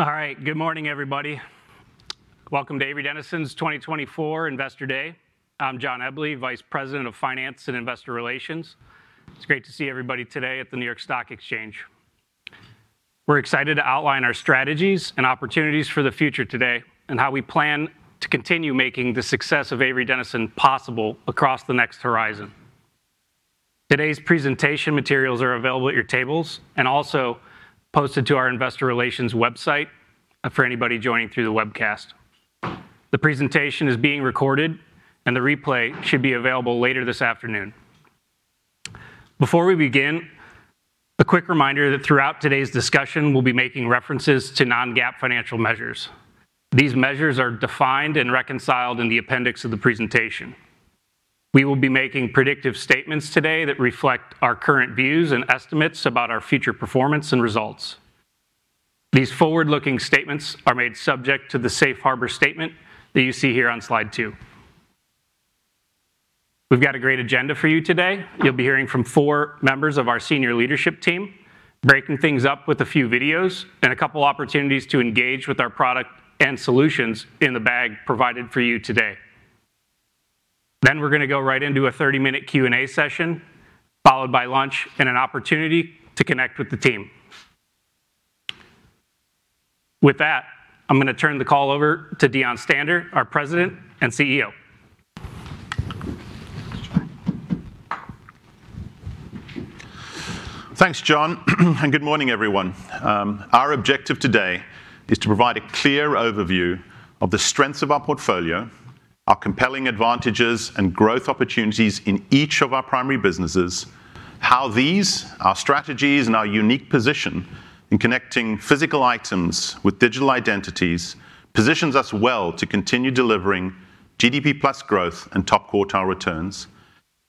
All right. Good morning, everybody. Welcome to Avery Dennison's 2024 Investor Day. I'm John Eble, Vice President of Finance and Investor Relations. It's great to see everybody today at the New York Stock Exchange. We're excited to outline our strategies and opportunities for the future today, and how we plan to continue making the success of Avery Dennison possible across the next horizon. Today's presentation materials are available at your tables and also posted to our investor relations website for anybody joining through the webcast. The presentation is being recorded, and the replay should be available later this afternoon. Before we begin, a quick reminder that throughout today's discussion, we'll be making references to non-GAAP financial measures. These measures are defined and reconciled in the appendix of the presentation. We will be making predictive statements today that reflect our current views and estimates about our future performance and results. These forward-looking statements are made subject to the safe harbor statement that you see here on slide two. We've got a great agenda for you today. You'll be hearing from four members of our senior leadership team, breaking things up with a few videos and a couple opportunities to engage with our product and solutions in the bag provided for you today. Then, we're gonna go right into a thirty-minute Q&A session, followed by lunch and an opportunity to connect with the team. With that, I'm gonna turn the call over to Deon Stander, our President and CEO. Thanks, John, and good morning, everyone. Our objective today is to provide a clear overview of the strengths of our portfolio, our compelling advantages and growth opportunities in each of our primary businesses, how these, our strategies, and our unique position in connecting physical items with digital identities positions us well to continue delivering GDP plus growth and top-quartile returns,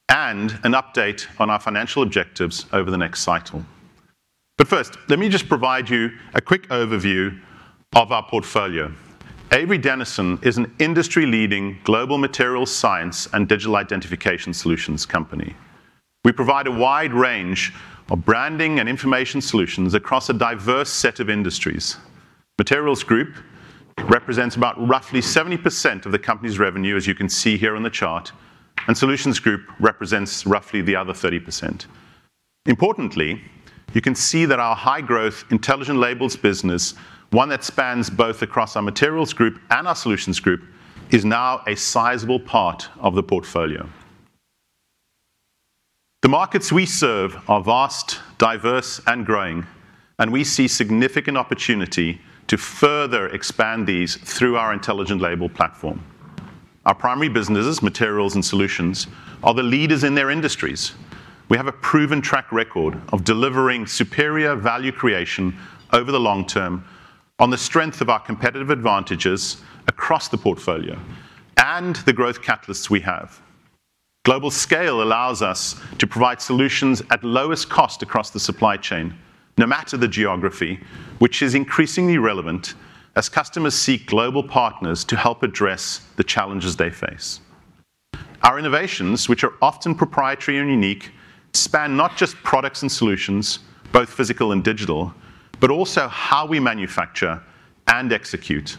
and an update on our financial objectives over the next cycle. But first, let me just provide you a quick overview of our portfolio. Avery Dennison is an industry-leading global material science and digital identification solutions company. We provide a wide range of branding and information solutions across a diverse set of industries. Materials Group represents about roughly 70% of the company's revenue, as you can see here on the chart, and Solutions Group represents roughly the other 30%. Importantly, you can see that our high-growth Intelligent Labels business, one that spans both across our Materials Group and our Solutions Group, is now a sizable part of the portfolio. The markets we serve are vast, diverse, and growing, and we see significant opportunity to further expand these through our Intelligent Label platform. Our primary businesses, Materials and Solutions, are the leaders in their industries. We have a proven track record of delivering superior value creation over the long term on the strength of our competitive advantages across the portfolio and the growth catalysts we have. Global scale allows us to provide solutions at lowest cost across the supply chain, no matter the geography, which is increasingly relevant as customers seek global partners to help address the challenges they face. Our innovations, which are often proprietary and unique, span not just products and solutions, both physical and digital, but also how we manufacture and execute.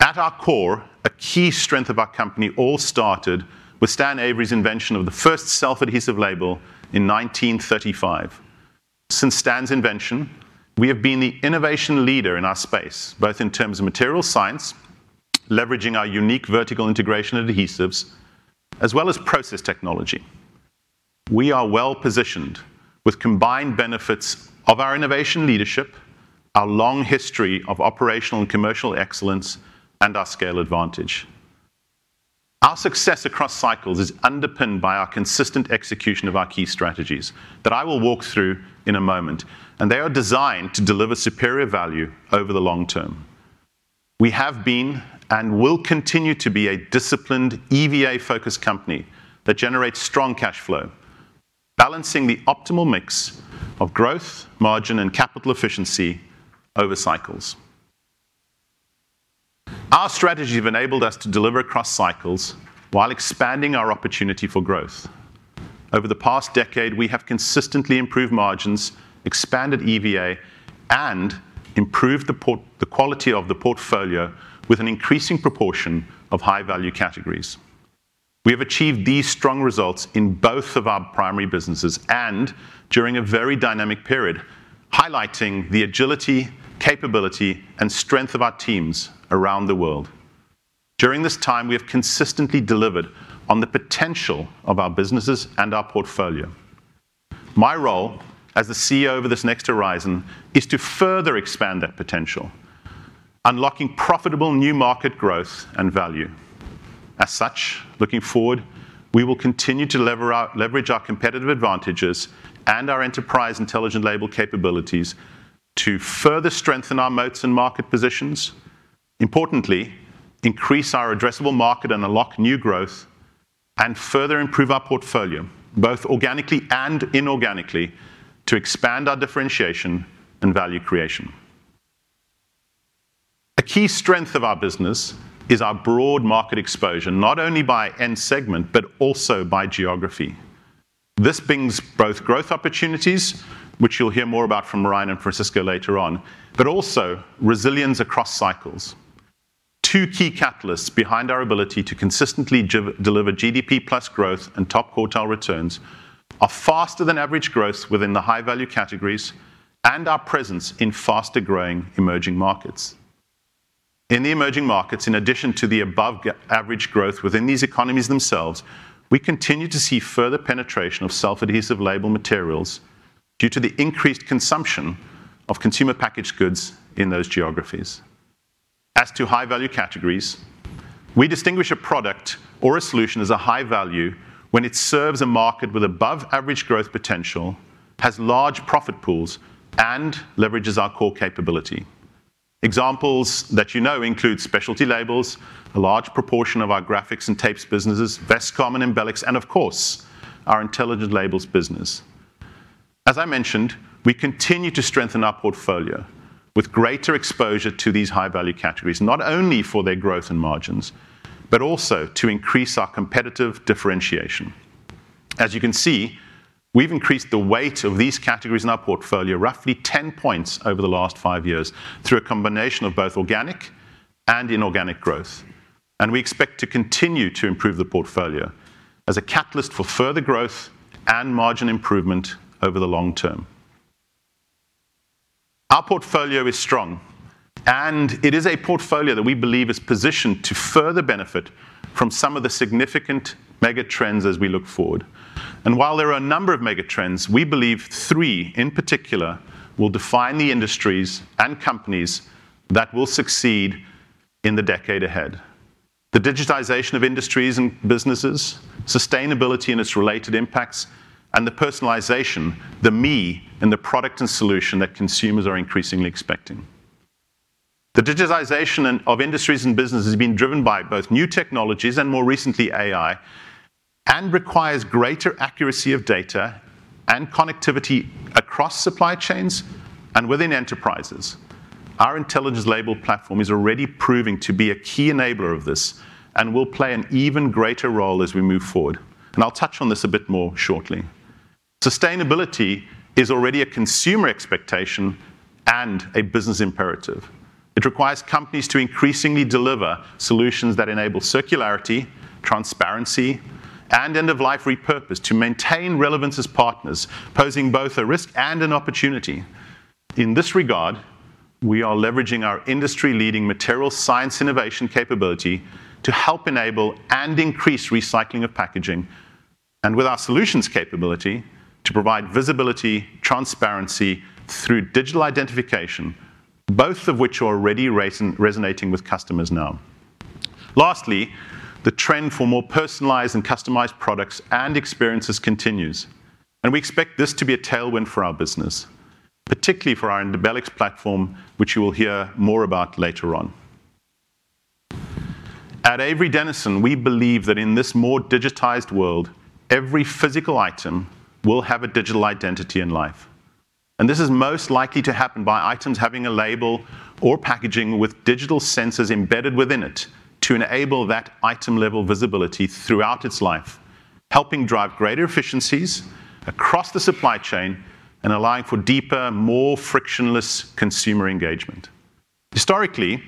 At our core, a key strength of our company all started with Stan Avery's invention of the first self-adhesive label in 1935. Since Stan's invention, we have been the innovation leader in our space, both in terms of material science, leveraging our unique vertical integration adhesives, as well as process technology. We are well-positioned with combined benefits of our innovation leadership, our long history of operational and commercial excellence, and our scale advantage. Our success across cycles is underpinned by our consistent execution of our key strategies that I will walk through in a moment, and they are designed to deliver superior value over the long term. We have been and will continue to be a disciplined EVA-focused company that generates strong cash flow, balancing the optimal mix of growth, margin, and capital efficiency over cycles. Our strategies have enabled us to deliver across cycles while expanding our opportunity for growth. Over the past decade, we have consistently improved margins, expanded EVA, and improved the quality of the portfolio with an increasing proportion of high-value categories. We have achieved these strong results in both of our primary businesses and during a very dynamic period, highlighting the agility, capability, and strength of our teams around the world. During this time, we have consistently delivered on the potential of our businesses and our portfolio. My role as the CEO over this next horizon is to further expand that potential, unlocking profitable new market growth and value. As such, looking forward, we will continue to leverage our competitive advantages and our enterprise intelligent label capabilities to further strengthen our moats and market positions, importantly, increase our addressable market and unlock new growth, and further improve our portfolio, both organically and inorganically, to expand our differentiation and value creation. A key strength of our business is our broad market exposure, not only by end segment, but also by geography. This brings both growth opportunities, which you'll hear more about from Ryan and Francisco later on, but also resilience across cycles. Two key catalysts behind our ability to consistently deliver GDP plus growth and top quartile returns are faster than average growth within the high-value categories and our presence in faster-growing emerging markets. In the emerging markets, in addition to the above GDP-average growth within these economies themselves, we continue to see further penetration of self-adhesive label materials due to the increased consumption of consumer packaged goods in those geographies. As to high-value categories, we distinguish a product or a solution as a high value when it serves a market with above-average growth potential, has large profit pools, and leverages our core capability. Examples that you know include specialty labels, a large proportion of our graphics and tapes businesses, Vestcom and Embelex, and of course, our intelligent labels business. As I mentioned, we continue to strengthen our portfolio with greater exposure to these high-value categories, not only for their growth and margins, but also to increase our competitive differentiation. As you can see, we've increased the weight of these categories in our portfolio roughly 10 points over the last five years through a combination of both organic and inorganic growth, and we expect to continue to improve the portfolio as a catalyst for further growth and margin improvement over the long term. Our portfolio is strong, and it is a portfolio that we believe is positioned to further benefit from some of the significant mega trends as we look forward, and while there are a number of mega trends, we believe three in particular will define the industries and companies that will succeed in the decade ahead: the digitization of industries and businesses, sustainability and its related impacts, and the personalization, the me in the product and solution that consumers are increasingly expecting. The digitization of industries and business has been driven by both new technologies and more recently, AI, and requires greater accuracy of data and connectivity across supply chains and within enterprises. Our Intelligent Labels platform is already proving to be a key enabler of this and will play an even greater role as we move forward, and I'll touch on this a bit more shortly. Sustainability is already a consumer expectation and a business imperative. It requires companies to increasingly deliver solutions that enable circularity, transparency, and end-of-life repurpose to maintain relevance as partners, posing both a risk and an opportunity. In this regard, we are leveraging our industry-leading material science innovation capability to help enable and increase recycling of packaging, and with our solutions capability, to provide visibility, transparency through digital identification, both of which are already resonating with customers now. Lastly, the trend for more personalized and customized products and experiences continues, and we expect this to be a tailwind for our business, particularly for our Embelex platform, which you will hear more about later on. At Avery Dennison, we believe that in this more digitized world, every physical item will have a digital identity in life, and this is most likely to happen by items having a label or packaging with digital sensors embedded within it to enable that item-level visibility throughout its life, helping drive greater efficiencies across the supply chain and allowing for deeper, more frictionless consumer engagement. Historically,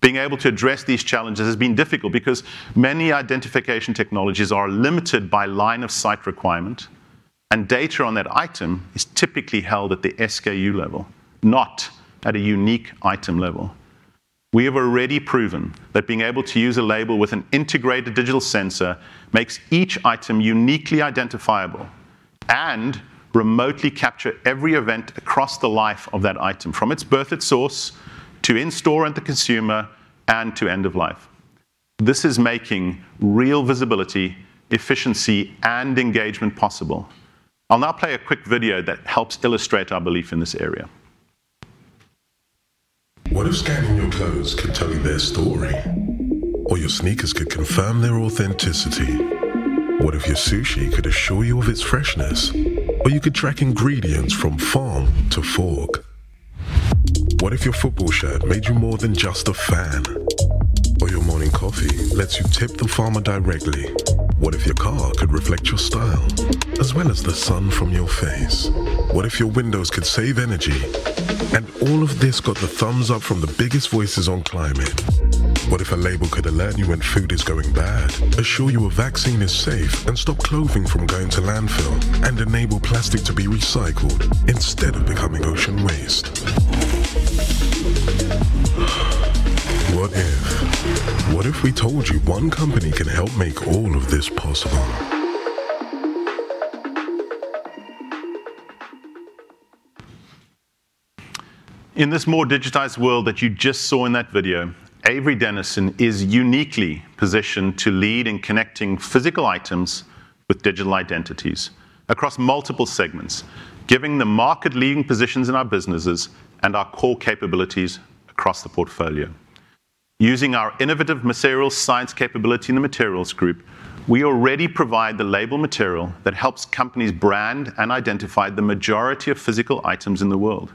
being able to address these challenges has been difficult because many identification technologies are limited by line of sight requirement, and data on that item is typically held at the SKU level, not at a unique item level. We have already proven that being able to use a label with an integrated digital sensor makes each item uniquely identifiable and remotely capture every event across the life of that item, from its birth at source to in-store and the consumer, and to end of life. This is making real visibility, efficiency, and engagement possible. I'll now play a quick video that helps illustrate our belief in this area. What if scanning your clothes could tell you their story? Or your sneakers could confirm their authenticity? What if your sushi could assure you of its freshness, or you could track ingredients from farm to fork? What if your football shirt made you more than just a fan, or your morning coffee lets you tip the farmer directly? What if your car could reflect your style as well as the sun from your face? What if your windows could save energy, and all of this got the thumbs up from the biggest voices on climate? What if a label could alert you when food is going bad, assure you a vaccine is safe, and stop clothing from going to landfill, and enable plastic to be recycled instead of becoming ocean waste? What if? What if we told you one company can help make all of this possible? In this more digitized world that you just saw in that video, Avery Dennison is uniquely positioned to lead in connecting physical items with digital identities across multiple segments, giving the market-leading positions in our businesses and our core capabilities across the portfolio. Using our innovative material science capability in the materials group, we already provide the label material that helps companies brand and identify the majority of physical items in the world….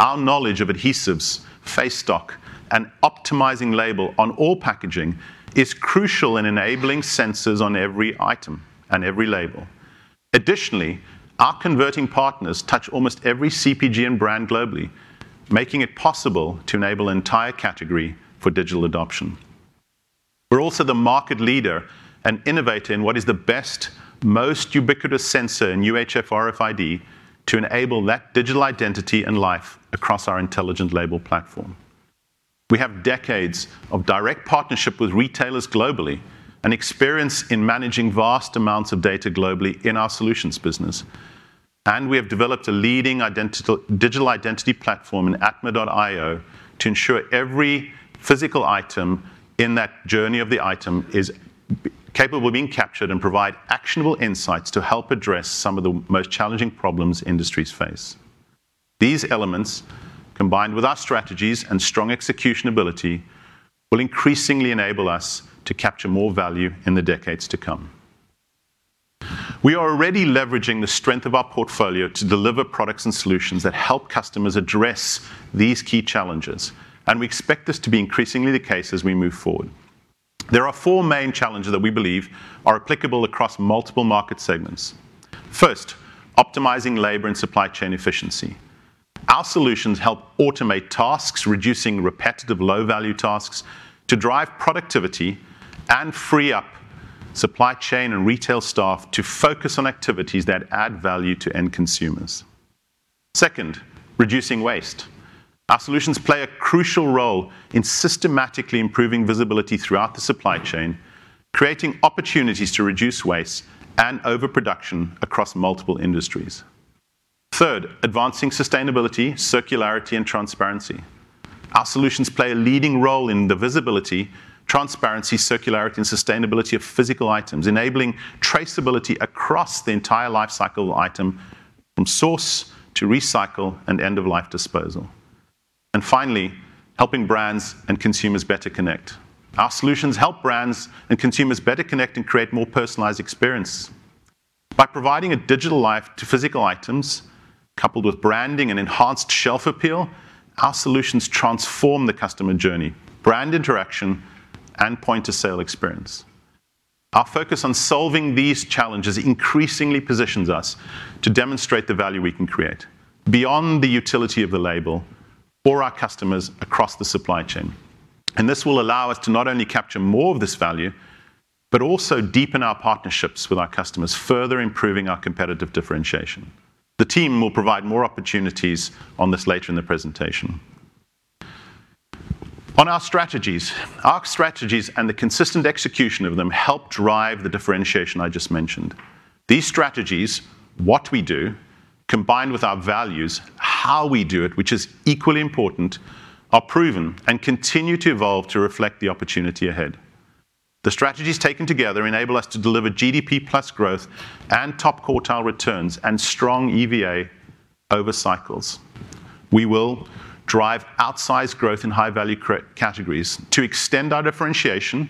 Our knowledge of adhesives, facestock, and optimizing label on all packaging is crucial in enabling sensors on every item and every label. Additionally, our converting partners touch almost every CPG and brand globally, making it possible to enable entire category for digital adoption. We're also the market leader and innovator in what is the best, most ubiquitous sensor in UHF RFID to enable that digital identity and life across our Intelligent Labels platform. We have decades of direct partnership with retailers globally, and experience in managing vast amounts of data globally in our solutions business. We have developed a leading integrated digital identity platform in atma.io to ensure every physical item in that journey of the item is capable of being captured and provide actionable insights to help address some of the most challenging problems industries face. These elements, combined with our strategies and strong execution ability, will increasingly enable us to capture more value in the decades to come. We are already leveraging the strength of our portfolio to deliver products and solutions that help customers address these key challenges, and we expect this to be increasingly the case as we move forward. There are four main challenges that we believe are applicable across multiple market segments. First, optimizing labor and supply chain efficiency. Our solutions help automate tasks, reducing repetitive, low-value tasks to drive productivity and free up supply chain and retail staff to focus on activities that add value to end consumers. Second, reducing waste. Our solutions play a crucial role in systematically improving visibility throughout the supply chain, creating opportunities to reduce waste and overproduction across multiple industries. Third, advancing sustainability, circularity, and transparency. Our solutions play a leading role in the visibility, transparency, circularity, and sustainability of physical items, enabling traceability across the entire lifecycle of item from source to recycle and end-of-life disposal. And finally, helping brands and consumers better connect. Our solutions help brands and consumers better connect and create more personalized experience. By providing a digital life to physical items, coupled with branding and enhanced shelf appeal, our solutions transform the customer journey, brand interaction, and point-of-sale experience. Our focus on solving these challenges increasingly positions us to demonstrate the value we can create beyond the utility of the label or our customers across the supply chain. And this will allow us to not only capture more of this value, but also deepen our partnerships with our customers, further improving our competitive differentiation. The team will provide more opportunities on this later in the presentation. On our strategies, our strategies and the consistent execution of them help drive the differentiation I just mentioned. These strategies, what we do, combined with our values, how we do it, which is equally important, are proven and continue to evolve to reflect the opportunity ahead. The strategies taken together enable us to deliver GDP plus growth and top-quartile returns and strong EVA over cycles. We will drive outsized growth in high-value categories to extend our differentiation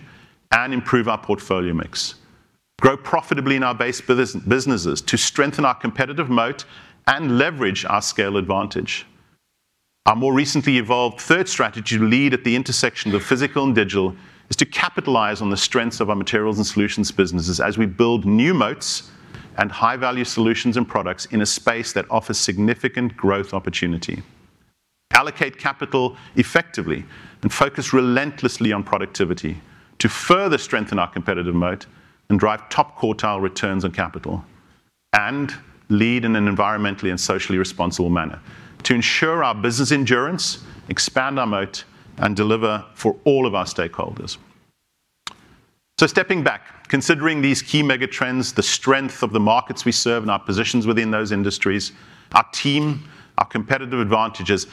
and improve our portfolio mix, grow profitably in our base businesses to strengthen our competitive moat and leverage our scale advantage. Our more recently evolved third strategy to lead at the intersection of physical and digital is to capitalize on the strengths of our materials and solutions businesses as we build new moats and high-value solutions and products in a space that offers significant growth opportunity. Allocate capital effectively and focus relentlessly on productivity to further strengthen our competitive moat and drive top-quartile returns on capital, and lead in an environmentally and socially responsible manner to ensure our business endurance, expand our moat, and deliver for all of our stakeholders. So stepping back, considering these key mega trends, the strength of the markets we serve and our positions within those industries, our team, our competitive advantages,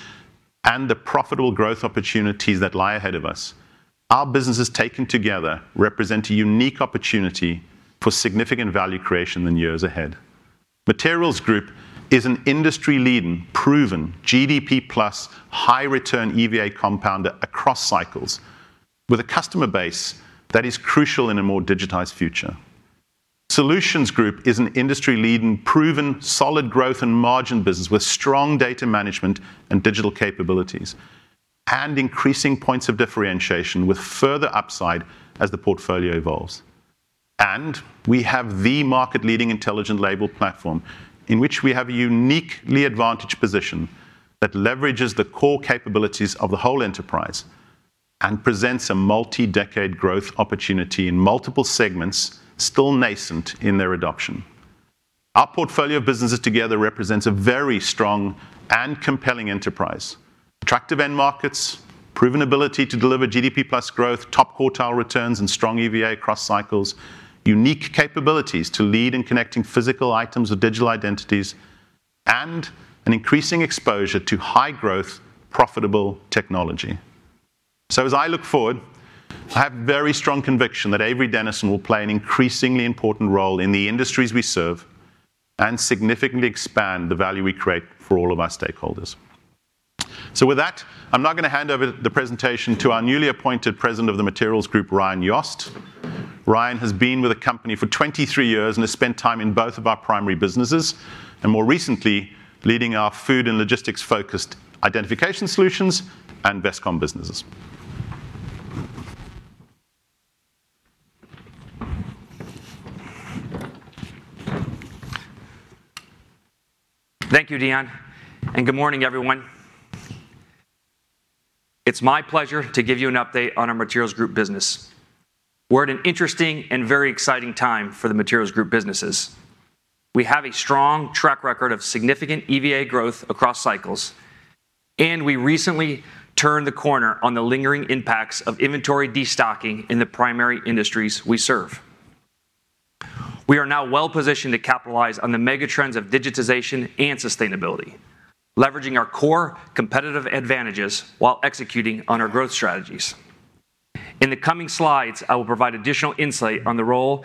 and the profitable growth opportunities that lie ahead of us, our businesses taken together represent a unique opportunity for significant value creation in the years ahead. Materials Group is an industry-leading, proven GDP plus high-return EVA compounder across cycles, with a customer base that is crucial in a more digitized future. Solutions Group is an industry-leading, proven solid growth and margin business with strong data management and digital capabilities, and increasing points of differentiation, with further upside as the portfolio evolves. And we have the market-leading Intelligent Label platform, in which we have a uniquely advantaged position that leverages the core capabilities of the whole enterprise and presents a multi-decade growth opportunity in multiple segments, still nascent in their adoption. Our portfolio of businesses together represents a very strong and compelling enterprise: attractive end markets, proven ability to deliver GDP plus growth, top-quartile returns, and strong EVA across cycles, unique capabilities to lead in connecting physical items with digital identities, and an increasing exposure to high-growth, profitable technology. So as I look forward, I have very strong conviction that Avery Dennison will play an increasingly important role in the industries we serve and significantly expand the value we create for all of our stakeholders. So with that, I'm now gonna hand over the presentation to our newly appointed President of the Materials Group, Ryan Yost.... Ryan has been with the company for 23 years and has spent time in both of our primary businesses, and more recently, leading our food and logistics-focused identification solutions and Vestcom businesses. Thank you, Deon, and good morning, everyone. It's my pleasure to give you an update on our Materials Group business. We're at an interesting and very exciting time for the Materials Group businesses. We have a strong track record of significant EVA growth across cycles, and we recently turned the corner on the lingering impacts of inventory destocking in the primary industries we serve. We are now well-positioned to capitalize on the mega trends of digitization and sustainability, leveraging our core competitive advantages while executing on our growth strategies. In the coming slides, I will provide additional insight on the role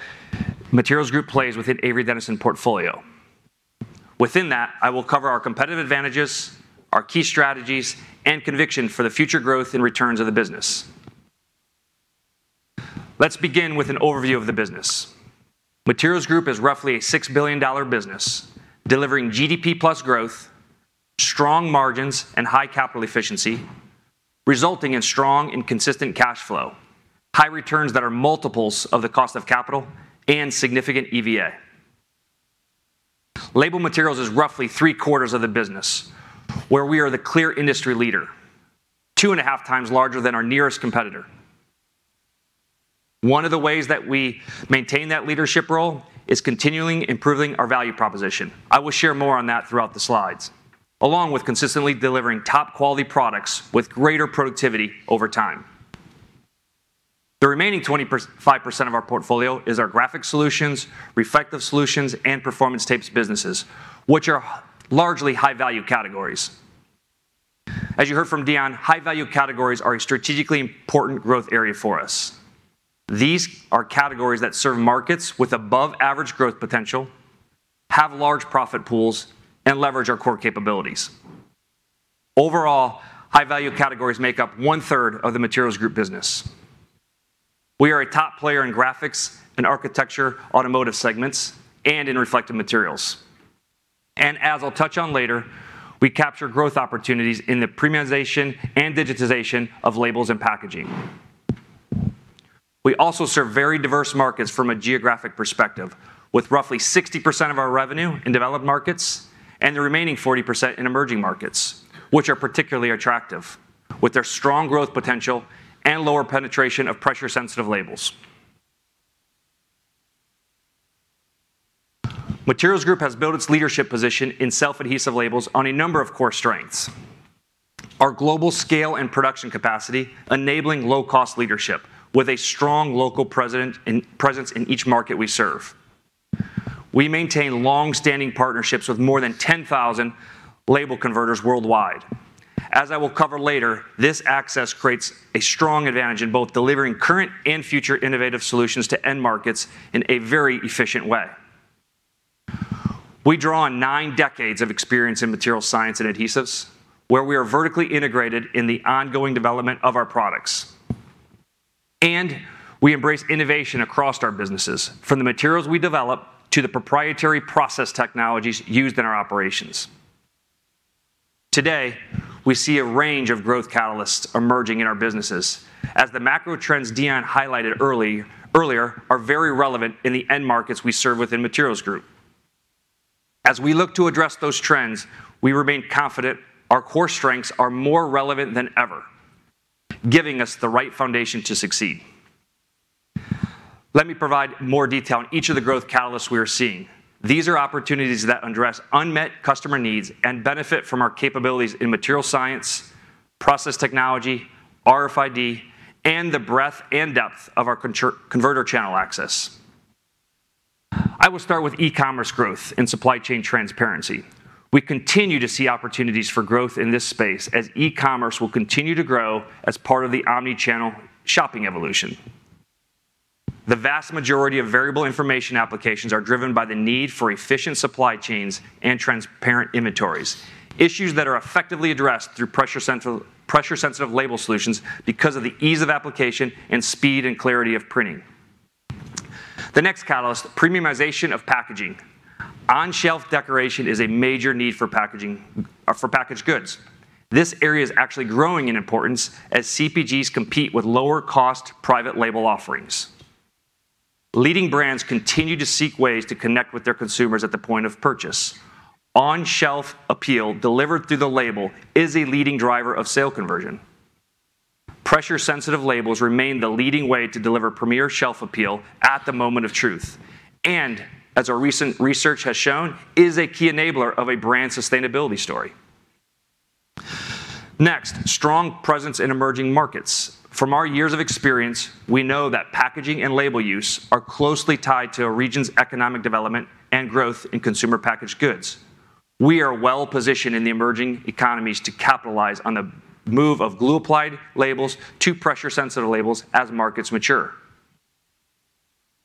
Materials Group plays within Avery Dennison portfolio. Within that, I will cover our competitive advantages, our key strategies, and conviction for the future growth and returns of the business. Let's begin with an overview of the business. Materials Group is roughly a $6 billion business, delivering GDP-plus growth, strong margins, and high capital efficiency, resulting in strong and consistent cash flow, high returns that are multiples of the cost of capital, and significant EVA. Label materials is roughly three-quarters of the business, where we are the clear industry leader, two and a half times larger than our nearest competitor. One of the ways that we maintain that leadership role is continually improving our value proposition. I will share more on that throughout the slides, along with consistently delivering top-quality products with greater productivity over time. The remaining 25% of our portfolio is our Graphics Solutions, Reflective Solutions, and Performance Tapes businesses, which are largely high-value categories. As you heard from Deon, high-value categories are a strategically important growth area for us. These are categories that serve markets with above-average growth potential, have large profit pools, and leverage our core capabilities. Overall, high-value categories make up one-third of the Materials Group business. We are a top player in graphics and architecture, automotive segments, and in reflective materials. And as I'll touch on later, we capture growth opportunities in the premiumization and digitization of labels and packaging. We also serve very diverse markets from a geographic perspective, with roughly 60% of our revenue in developed markets and the remaining 40% in emerging markets, which are particularly attractive, with their strong growth potential and lower penetration of pressure-sensitive labels. Materials Group has built its leadership position in self-adhesive labels on a number of core strengths: our global scale and production capacity, enabling low-cost leadership with a strong local presence in each market we serve. We maintain long-standing partnerships with more than 10,000 label converters worldwide. As I will cover later, this access creates a strong advantage in both delivering current and future innovative solutions to end markets in a very efficient way. We draw on nine decades of experience in material science and adhesives, where we are vertically integrated in the ongoing development of our products, and we embrace innovation across our businesses, from the materials we develop to the proprietary process technologies used in our operations. Today, we see a range of growth catalysts emerging in our businesses, as the macro trends Deon highlighted earlier are very relevant in the end markets we serve within Materials Group. As we look to address those trends, we remain confident our core strengths are more relevant than ever, giving us the right foundation to succeed. Let me provide more detail on each of the growth catalysts we are seeing. These are opportunities that address unmet customer needs and benefit from our capabilities in material science, process technology, RFID, and the breadth and depth of our customer-converter channel access. I will start with e-commerce growth and supply chain transparency. We continue to see opportunities for growth in this space, as e-commerce will continue to grow as part of the omni-channel shopping evolution. The vast majority of variable information applications are driven by the need for efficient supply chains and transparent inventories, issues that are effectively addressed through pressure-sensitive label solutions because of the ease of application and speed and clarity of printing. The next catalyst, premiumization of packaging. On-shelf decoration is a major need for packaging for packaged goods. This area is actually growing in importance as CPGs compete with lower-cost private label offerings. Leading brands continue to seek ways to connect with their consumers at the point of purchase. On-shelf appeal delivered through the label is a leading driver of sale conversion. Pressure-sensitive labels remain the leading way to deliver premier shelf appeal at the moment of truth, and as our recent research has shown, is a key enabler of a brand sustainability story. Next, strong presence in emerging markets. From our years of experience, we know that packaging and label use are closely tied to a region's economic development and growth in consumer packaged goods. We are well-positioned in the emerging economies to capitalize on the move of glue-applied labels to pressure-sensitive labels as markets mature.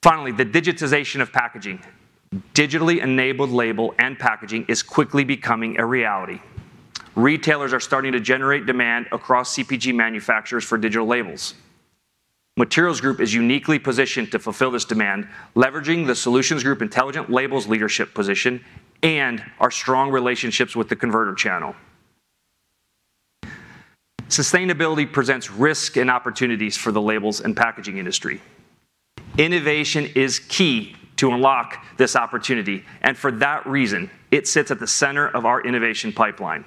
Finally, the digitization of packaging. Digitally enabled label and packaging is quickly becoming a reality. Retailers are starting to generate demand across CPG manufacturers for digital labels. Materials Group is uniquely positioned to fulfill this demand, leveraging the Solutions Group intelligent labels leadership position and our strong relationships with the converter channel. Sustainability presents risk and opportunities for the labels and packaging industry. Innovation is key to unlock this opportunity, and for that reason, it sits at the center of our innovation pipeline.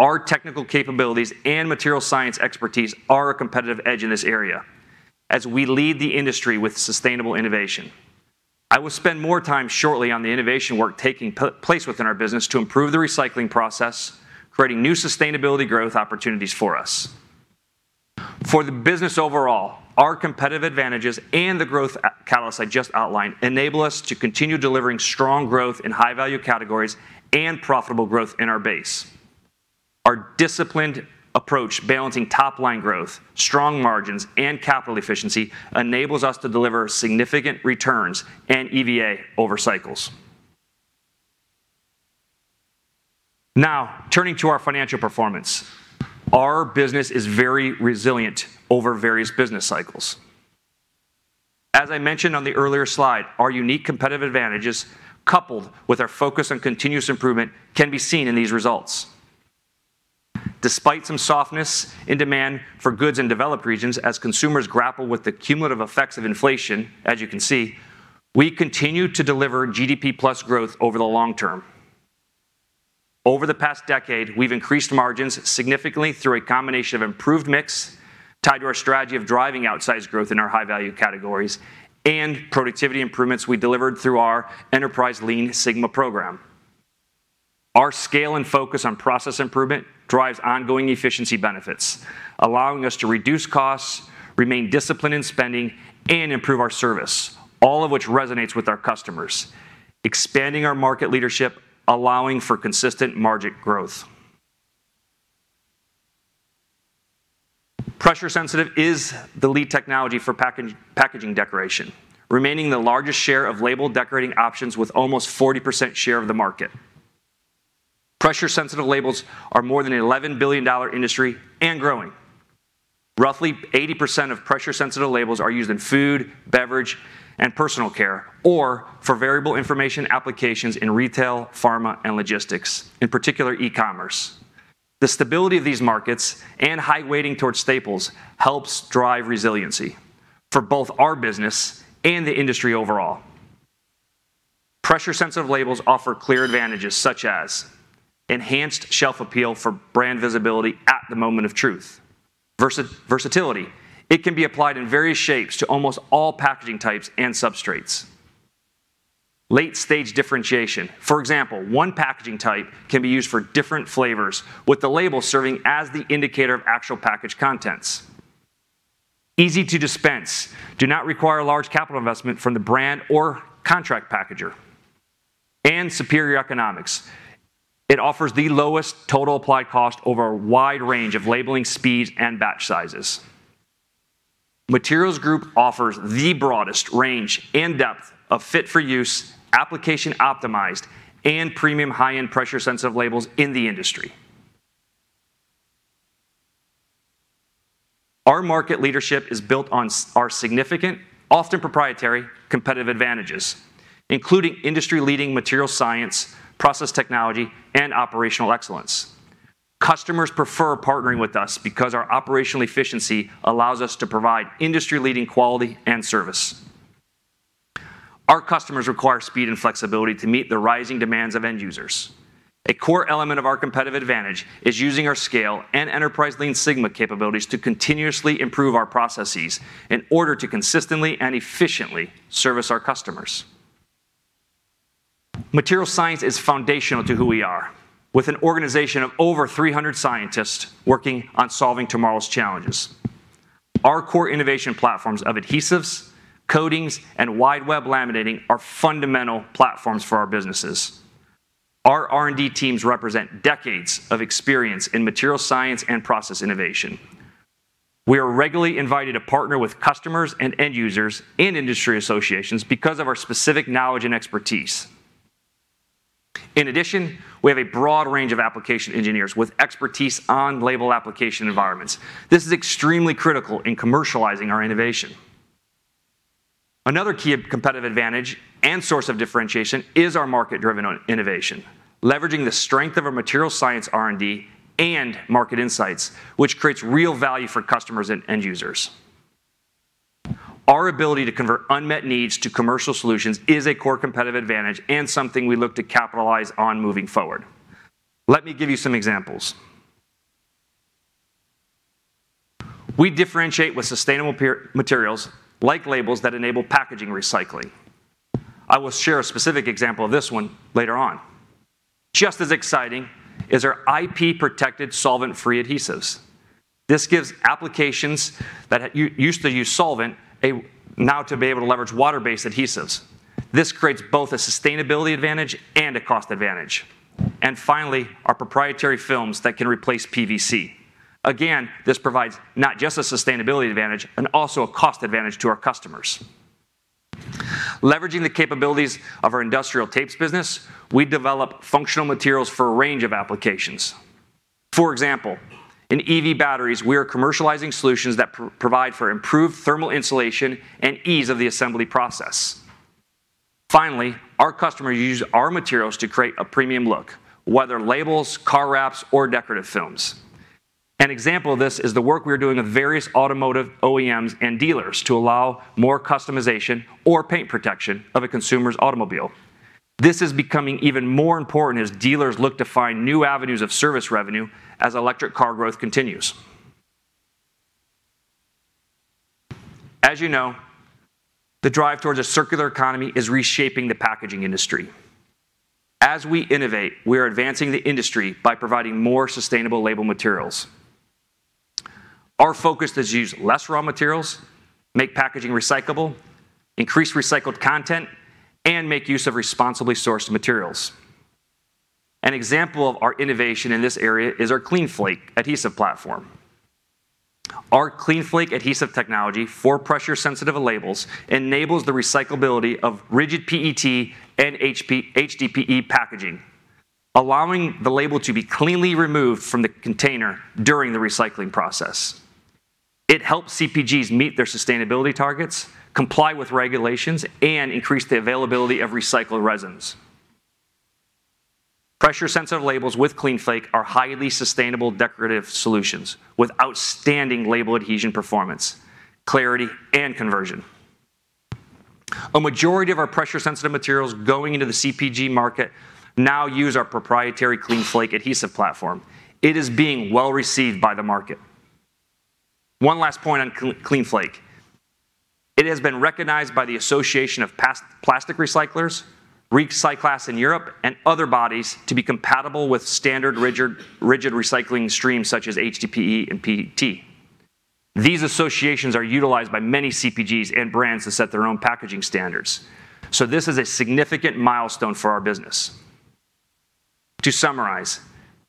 Our technical capabilities and material science expertise are a competitive edge in this area as we lead the industry with sustainable innovation. I will spend more time shortly on the innovation work taking place within our business to improve the recycling process, creating new sustainability growth opportunities for us. For the business overall, our competitive advantages and the growth catalyst I just outlined enable us to continue delivering strong growth in high-value categories and profitable growth in our base. Our disciplined approach, balancing top-line growth, strong margins, and capital efficiency, enables us to deliver significant returns and EVA over cycles. Now, turning to our financial performance, our business is very resilient over various business cycles. As I mentioned on the earlier slide, our unique competitive advantages, coupled with our focus on continuous improvement, can be seen in these results. Despite some softness in demand for goods in developed regions as consumers grapple with the cumulative effects of inflation, as you can see, we continue to deliver GDP-plus growth over the long term. Over the past decade, we've increased margins significantly through a combination of improved mix, tied to our strategy of driving outsized growth in our high-value categories, and productivity improvements we delivered through our Enterprise Lean Sigma program. Our scale and focus on process improvement drives ongoing efficiency benefits, allowing us to reduce costs, remain disciplined in spending, and improve our service, all of which resonates with our customers, expanding our market leadership, allowing for consistent margin growth. Pressure-sensitive is the lead technology for packaging decoration, remaining the largest share of label decorating options with almost 40% share of the market. Pressure-sensitive labels are more than an $11 billion dollar industry and growing. Roughly 80% of pressure-sensitive labels are used in food, beverage, and personal care, or for variable information applications in retail, pharma, and logistics, in particular, e-commerce. The stability of these markets and high weighting towards staples helps drive resiliency for both our business and the industry overall. Pressure-sensitive labels offer clear advantages, such as enhanced shelf appeal for brand visibility at the moment of truth. Versatility, it can be applied in various shapes to almost all packaging types and substrates. Late-stage differentiation. For example, one packaging type can be used for different flavors, with the label serving as the indicator of actual package contents. Easy to dispense, do not require a large capital investment from the brand or contract packager. And superior economics, it offers the lowest total applied cost over a wide range of labeling speeds and batch sizes. Materials Group offers the broadest range and depth of fit-for-use, application-optimized, and premium high-end pressure-sensitive labels in the industry. Our market leadership is built on our significant, often proprietary, competitive advantages, including industry-leading material science, process technology, and operational excellence. Customers prefer partnering with us because our operational efficiency allows us to provide industry-leading quality and service. Our customers require speed and flexibility to meet the rising demands of end users. A core element of our competitive advantage is using our scale and Enterprise Lean Sigma capabilities to continuously improve our processes in order to consistently and efficiently service our customers. Materials science is foundational to who we are, with an organization of over three hundred scientists working on solving tomorrow's challenges. Our core innovation platforms of adhesives, coatings, and wide web laminating are fundamental platforms for our businesses. Our R&D teams represent decades of experience in materials science and process innovation. We are regularly invited to partner with customers and end users in industry associations because of our specific knowledge and expertise. In addition, we have a broad range of application engineers with expertise on label application environments. This is extremely critical in commercializing our innovation. Another key competitive advantage and source of differentiation is our market-driven innovation, leveraging the strength of our material science R&D and market insights, which creates real value for customers and end users. Our ability to convert unmet needs to commercial solutions is a core competitive advantage and something we look to capitalize on moving forward. Let me give you some examples. We differentiate with sustainable polymer materials, like labels that enable packaging recycling. I will share a specific example of this one later on. Just as exciting is our IP-protected solvent-free adhesives. This gives applications that used to use solvent and now to be able to leverage water-based adhesives. This creates both a sustainability advantage and a cost advantage. And finally, our proprietary films that can replace PVC. Again, this provides not just a sustainability advantage, and also a cost advantage to our customers. Leveraging the capabilities of our industrial tapes business, we develop functional materials for a range of applications. For example, in EV batteries, we are commercializing solutions that provide for improved thermal insulation and ease of the assembly process. Finally, our customers use our materials to create a premium look, whether labels, car wraps, or decorative films. An example of this is the work we are doing with various automotive OEMs and dealers to allow more customization or paint protection of a consumer's automobile. This is becoming even more important as dealers look to find new avenues of service revenue as electric car growth continues. As you know, the drive towards a circular economy is reshaping the packaging industry. As we innovate, we are advancing the industry by providing more sustainable label materials. Our focus is to use less raw materials, make packaging recyclable, increase recycled content, and make use of responsibly sourced materials. An example of our innovation in this area is our CleanFlake adhesive platform. Our CleanFlake adhesive technology for pressure-sensitive labels enables the recyclability of rigid PET and HDPE packaging, allowing the label to be cleanly removed from the container during the recycling process. It helps CPGs meet their sustainability targets, comply with regulations, and increase the availability of recycled resins. Pressure-sensitive labels with CleanFlake are highly sustainable decorative solutions with outstanding label adhesion, performance, clarity, and conversion. A majority of our pressure-sensitive materials going into the CPG market now use our proprietary CleanFlake adhesive platform. It is being well-received by the market. One last point on CleanFlake: it has been recognized by the Association of Plastic Recyclers, RecyClass in Europe, and other bodies, to be compatible with standard rigid recycling streams such as HDPE and PET. These associations are utilized by many CPGs and brands to set their own packaging standards, so this is a significant milestone for our business. To summarize,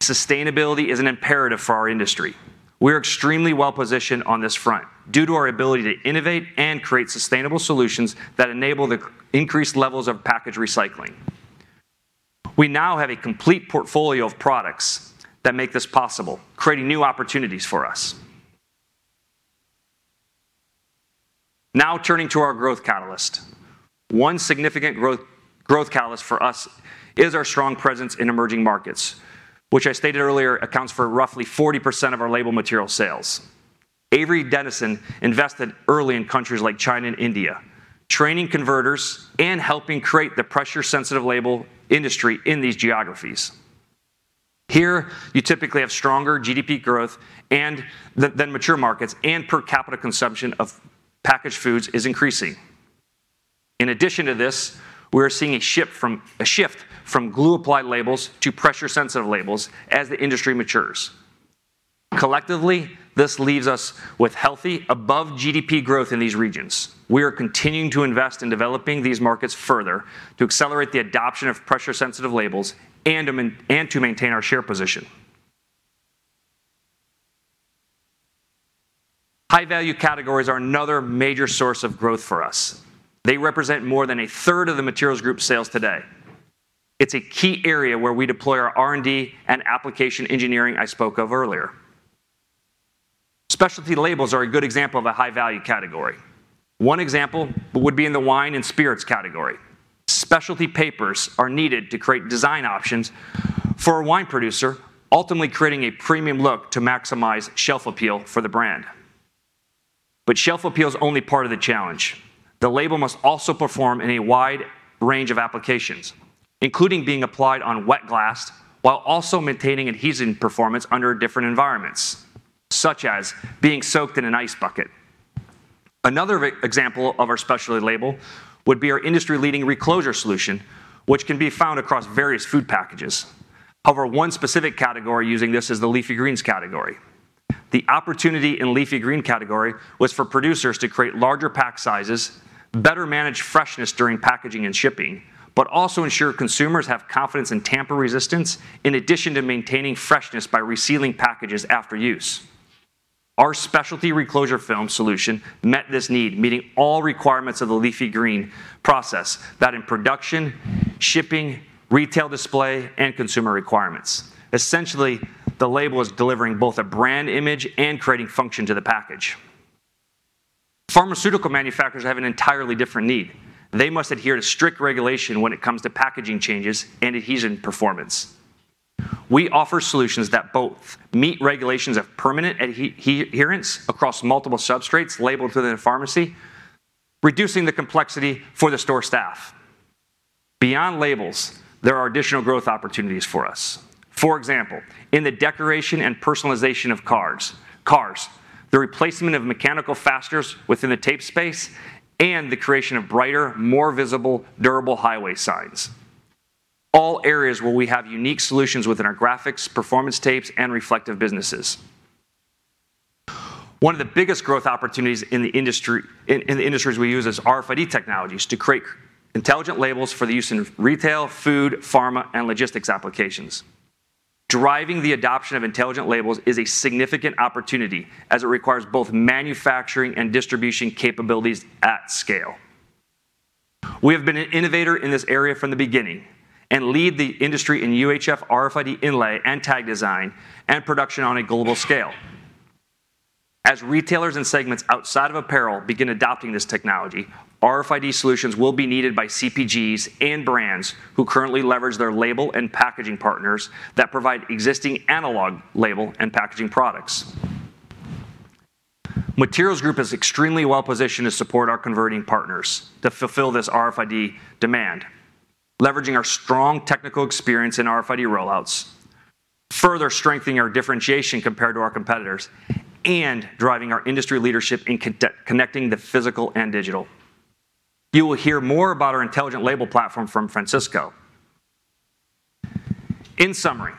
sustainability is an imperative for our industry. We're extremely well-positioned on this front, due to our ability to innovate and create sustainable solutions that enable the increased levels of package recycling. We now have a complete portfolio of products that make this possible, creating new opportunities for us. Now, turning to our growth catalyst. One significant growth catalyst for us is our strong presence in emerging markets, which I stated earlier, accounts for roughly 40% of our label material sales. Avery Dennison invested early in countries like China and India, training converters and helping create the pressure-sensitive label industry in these geographies. Here, you typically have stronger GDP growth than mature markets, and per capita consumption of packaged foods is increasing. In addition to this, we're seeing a shift from glue-applied labels to pressure-sensitive labels as the industry matures. Collectively, this leaves us with healthy, above-GDP growth in these regions. We are continuing to invest in developing these markets further to accelerate the adoption of pressure-sensitive labels and to maintain our share position. High-value categories are another major source of growth for us. They represent more than a third of the materials group sales today. It's a key area where we deploy our R&D and application engineering I spoke of earlier. Specialty labels are a good example of a high-value category. One example would be in the wine and spirits category. Specialty papers are needed to create design options for a wine producer, ultimately creating a premium look to maximize shelf appeal for the brand. But shelf appeal is only part of the challenge. The label must also perform in a wide range of applications, including being applied on wet glass, while also maintaining adhesion performance under different environments, such as being soaked in an ice bucket. Another example of our specialty label would be our industry-leading reclosure solution, which can be found across various food packages. However, one specific category using this is the leafy greens category. The opportunity in leafy green category was for producers to create larger pack sizes, better manage freshness during packaging and shipping, but also ensure consumers have confidence in tamper resistance in addition to maintaining freshness by resealing packages after use. Our specialty reclosure film solution met this need, meeting all requirements of the leafy green process that in production, shipping, retail display, and consumer requirements. Essentially, the label is delivering both a brand image and creating function to the package. Pharmaceutical manufacturers have an entirely different need. They must adhere to strict regulation when it comes to packaging changes and adhesion performance. We offer solutions that both meet regulations of permanent adherence across multiple substrates labeled to the pharmacy, reducing the complexity for the store staff. Beyond labels, there are additional growth opportunities for us, for example, in the decoration and personalization of cars, the replacement of mechanical fasteners within the tape space, and the creation of brighter, more visible, durable highway signs, all areas where we have unique solutions within our Graphics, Performance Tapes, and Reflectives businesses. One of the biggest growth opportunities in the industry, in the industries we use is RFID technologies to create intelligent labels for the use in retail, food, pharma, and logistics applications... Driving the adoption of intelligent labels is a significant opportunity, as it requires both manufacturing and distribution capabilities at scale. We have been an innovator in this area from the beginning, and lead the industry in UHF RFID inlay and tag design, and production on a global scale. As retailers and segments outside of apparel begin adopting this technology, RFID solutions will be needed by CPGs and brands who currently leverage their label and packaging partners that provide existing analog label and packaging products. Materials Group is extremely well-positioned to support our converting partners to fulfill this RFID demand, leveraging our strong technical experience in RFID rollouts, further strengthening our differentiation compared to our competitors, and driving our industry leadership in connecting the physical and digital. You will hear more about our Intelligent Label platform from Francisco. In summary,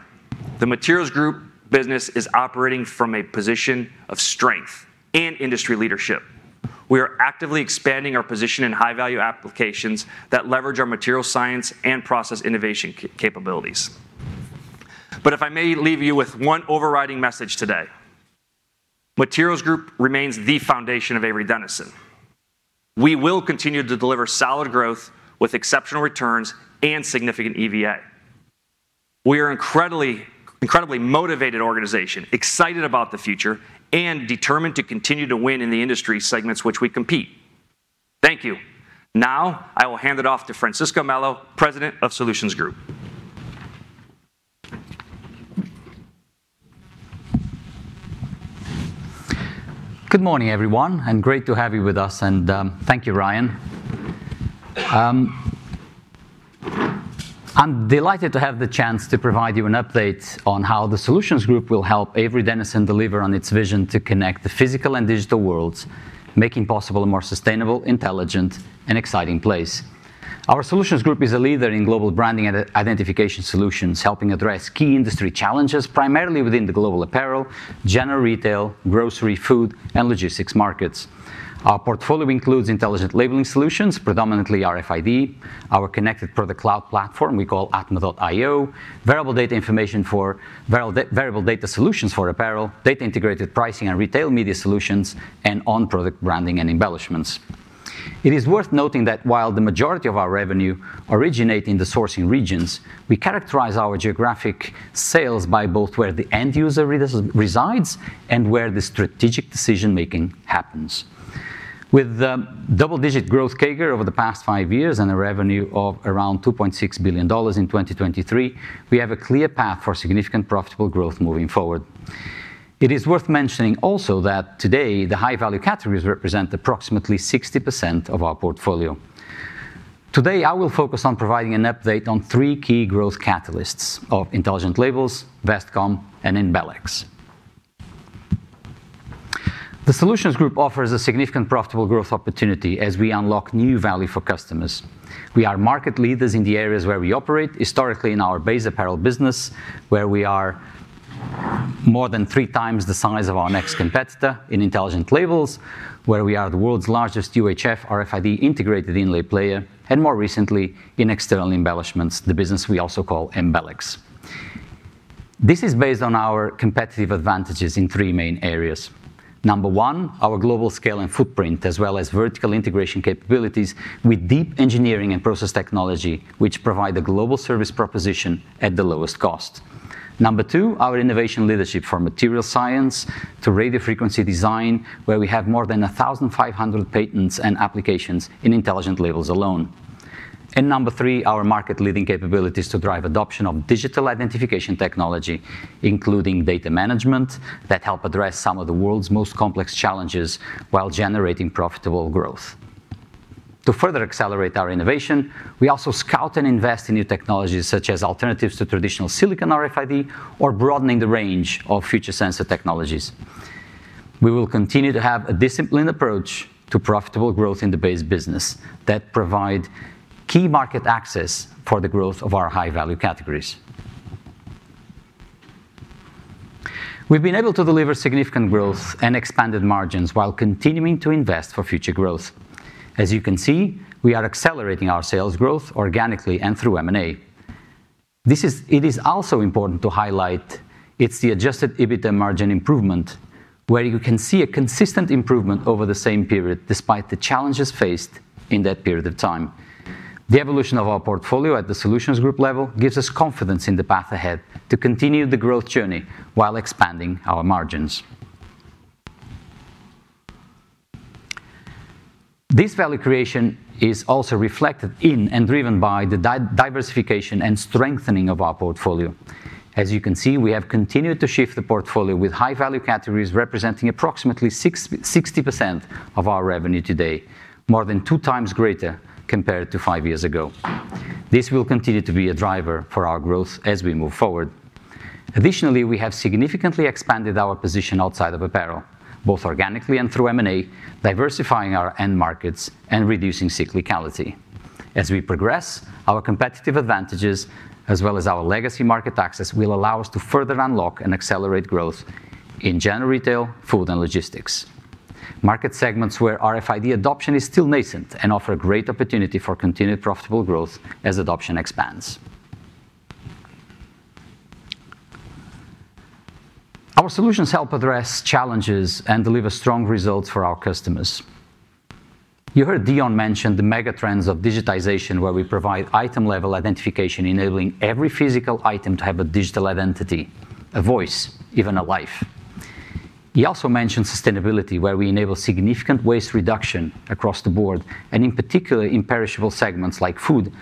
the Materials Group business is operating from a position of strength and industry leadership. We are actively expanding our position in high-value applications that leverage our material science and process innovation capabilities, but if I may leave you with one overriding message today: Materials Group remains the foundation of Avery Dennison. We will continue to deliver solid growth with exceptional returns and significant EVA. We are incredibly, incredibly motivated organization, excited about the future, and determined to continue to win in the industry segments which we compete. Thank you. Now, I will hand it off to Francisco Melo, President of Solutions Group. Good morning, everyone, and great to have you with us, and thank you, Ryan. I'm delighted to have the chance to provide you an update on how the Solutions Group will help Avery Dennison deliver on its vision to connect the physical and digital worlds, making possible a more sustainable, intelligent, and exciting place. Our Solutions Group is a leader in global branding and identification solutions, helping address key industry challenges, primarily within the global apparel, general retail, grocery, food, and logistics markets. Our portfolio includes intelligent labeling solutions, predominantly RFID, our connected product cloud platform we call Atma.io, variable data information for variable data solutions for apparel, data-integrated pricing and retail media solutions, and on-product branding and embellishments. It is worth noting that while the majority of our revenue originate in the sourcing regions, we characterize our geographic sales by both where the end user resides and where the strategic decision-making happens. With double-digit growth CAGR over the past five years and a revenue of around $2.6 billion in 2023, we have a clear path for significant profitable growth moving forward. It is worth mentioning also that today, the high-value categories represent approximately 60% of our portfolio. Today, I will focus on providing an update on three key growth catalysts of Intelligent Labels, Vestcom, and Embelex. The Solutions Group offers a significant profitable growth opportunity as we unlock new value for customers. We are market leaders in the areas where we operate, historically in our base apparel business, where we are more than three times the size of our next competitor in intelligent labels, where we are the world's largest UHF RFID integrated inlay player, and more recently, in external embellishments, the business we also call Embelex. This is based on our competitive advantages in three main areas. Number one, our global scale and footprint, as well as vertical integration capabilities with deep engineering and process technology, which provide a global service proposition at the lowest cost. Number two, our innovation leadership for material science to radio frequency design, where we have more than one thousand five hundred patents and applications in intelligent labels alone. And number three, our market-leading capabilities to drive adoption of digital identification technology, including data management, that help address some of the world's most complex challenges while generating profitable growth. To further accelerate our innovation, we also scout and invest in new technologies, such as alternatives to traditional silicon RFID or broadening the range of future sensor technologies. We will continue to have a disciplined approach to profitable growth in the base business that provide key market access for the growth of our high-value categories. We've been able to deliver significant growth and expanded margins while continuing to invest for future growth. As you can see, we are accelerating our sales growth organically and through M&A. It is also important to highlight, it's the adjusted EBITDA margin improvement, where you can see a consistent improvement over the same period, despite the challenges faced in that period of time. The evolution of our portfolio at the Solutions Group level gives us confidence in the path ahead to continue the growth journey while expanding our margins. This value creation is also reflected in and driven by the diversification and strengthening of our portfolio. As you can see, we have continued to shift the portfolio with high-value categories, representing approximately 60% of our revenue today, more than two times greater compared to five years ago. This will continue to be a driver for our growth as we move forward. Additionally, we have significantly expanded our position outside of apparel, both organically and through M&A, diversifying our end markets and reducing cyclicality. As we progress, our competitive advantages, as well as our legacy market access, will allow us to further unlock and accelerate growth in general retail, food, and logistics. Market segments where RFID adoption is still nascent and offer a great opportunity for continued profitable growth as adoption expands. Our solutions help address challenges and deliver strong results for our customers. You heard Dion mention the mega trends of digitization, where we provide item-level identification, enabling every physical item to have a digital identity, a voice, even a life. He also mentioned sustainability, where we enable significant waste reduction across the board, and in particular, in perishable segments like food,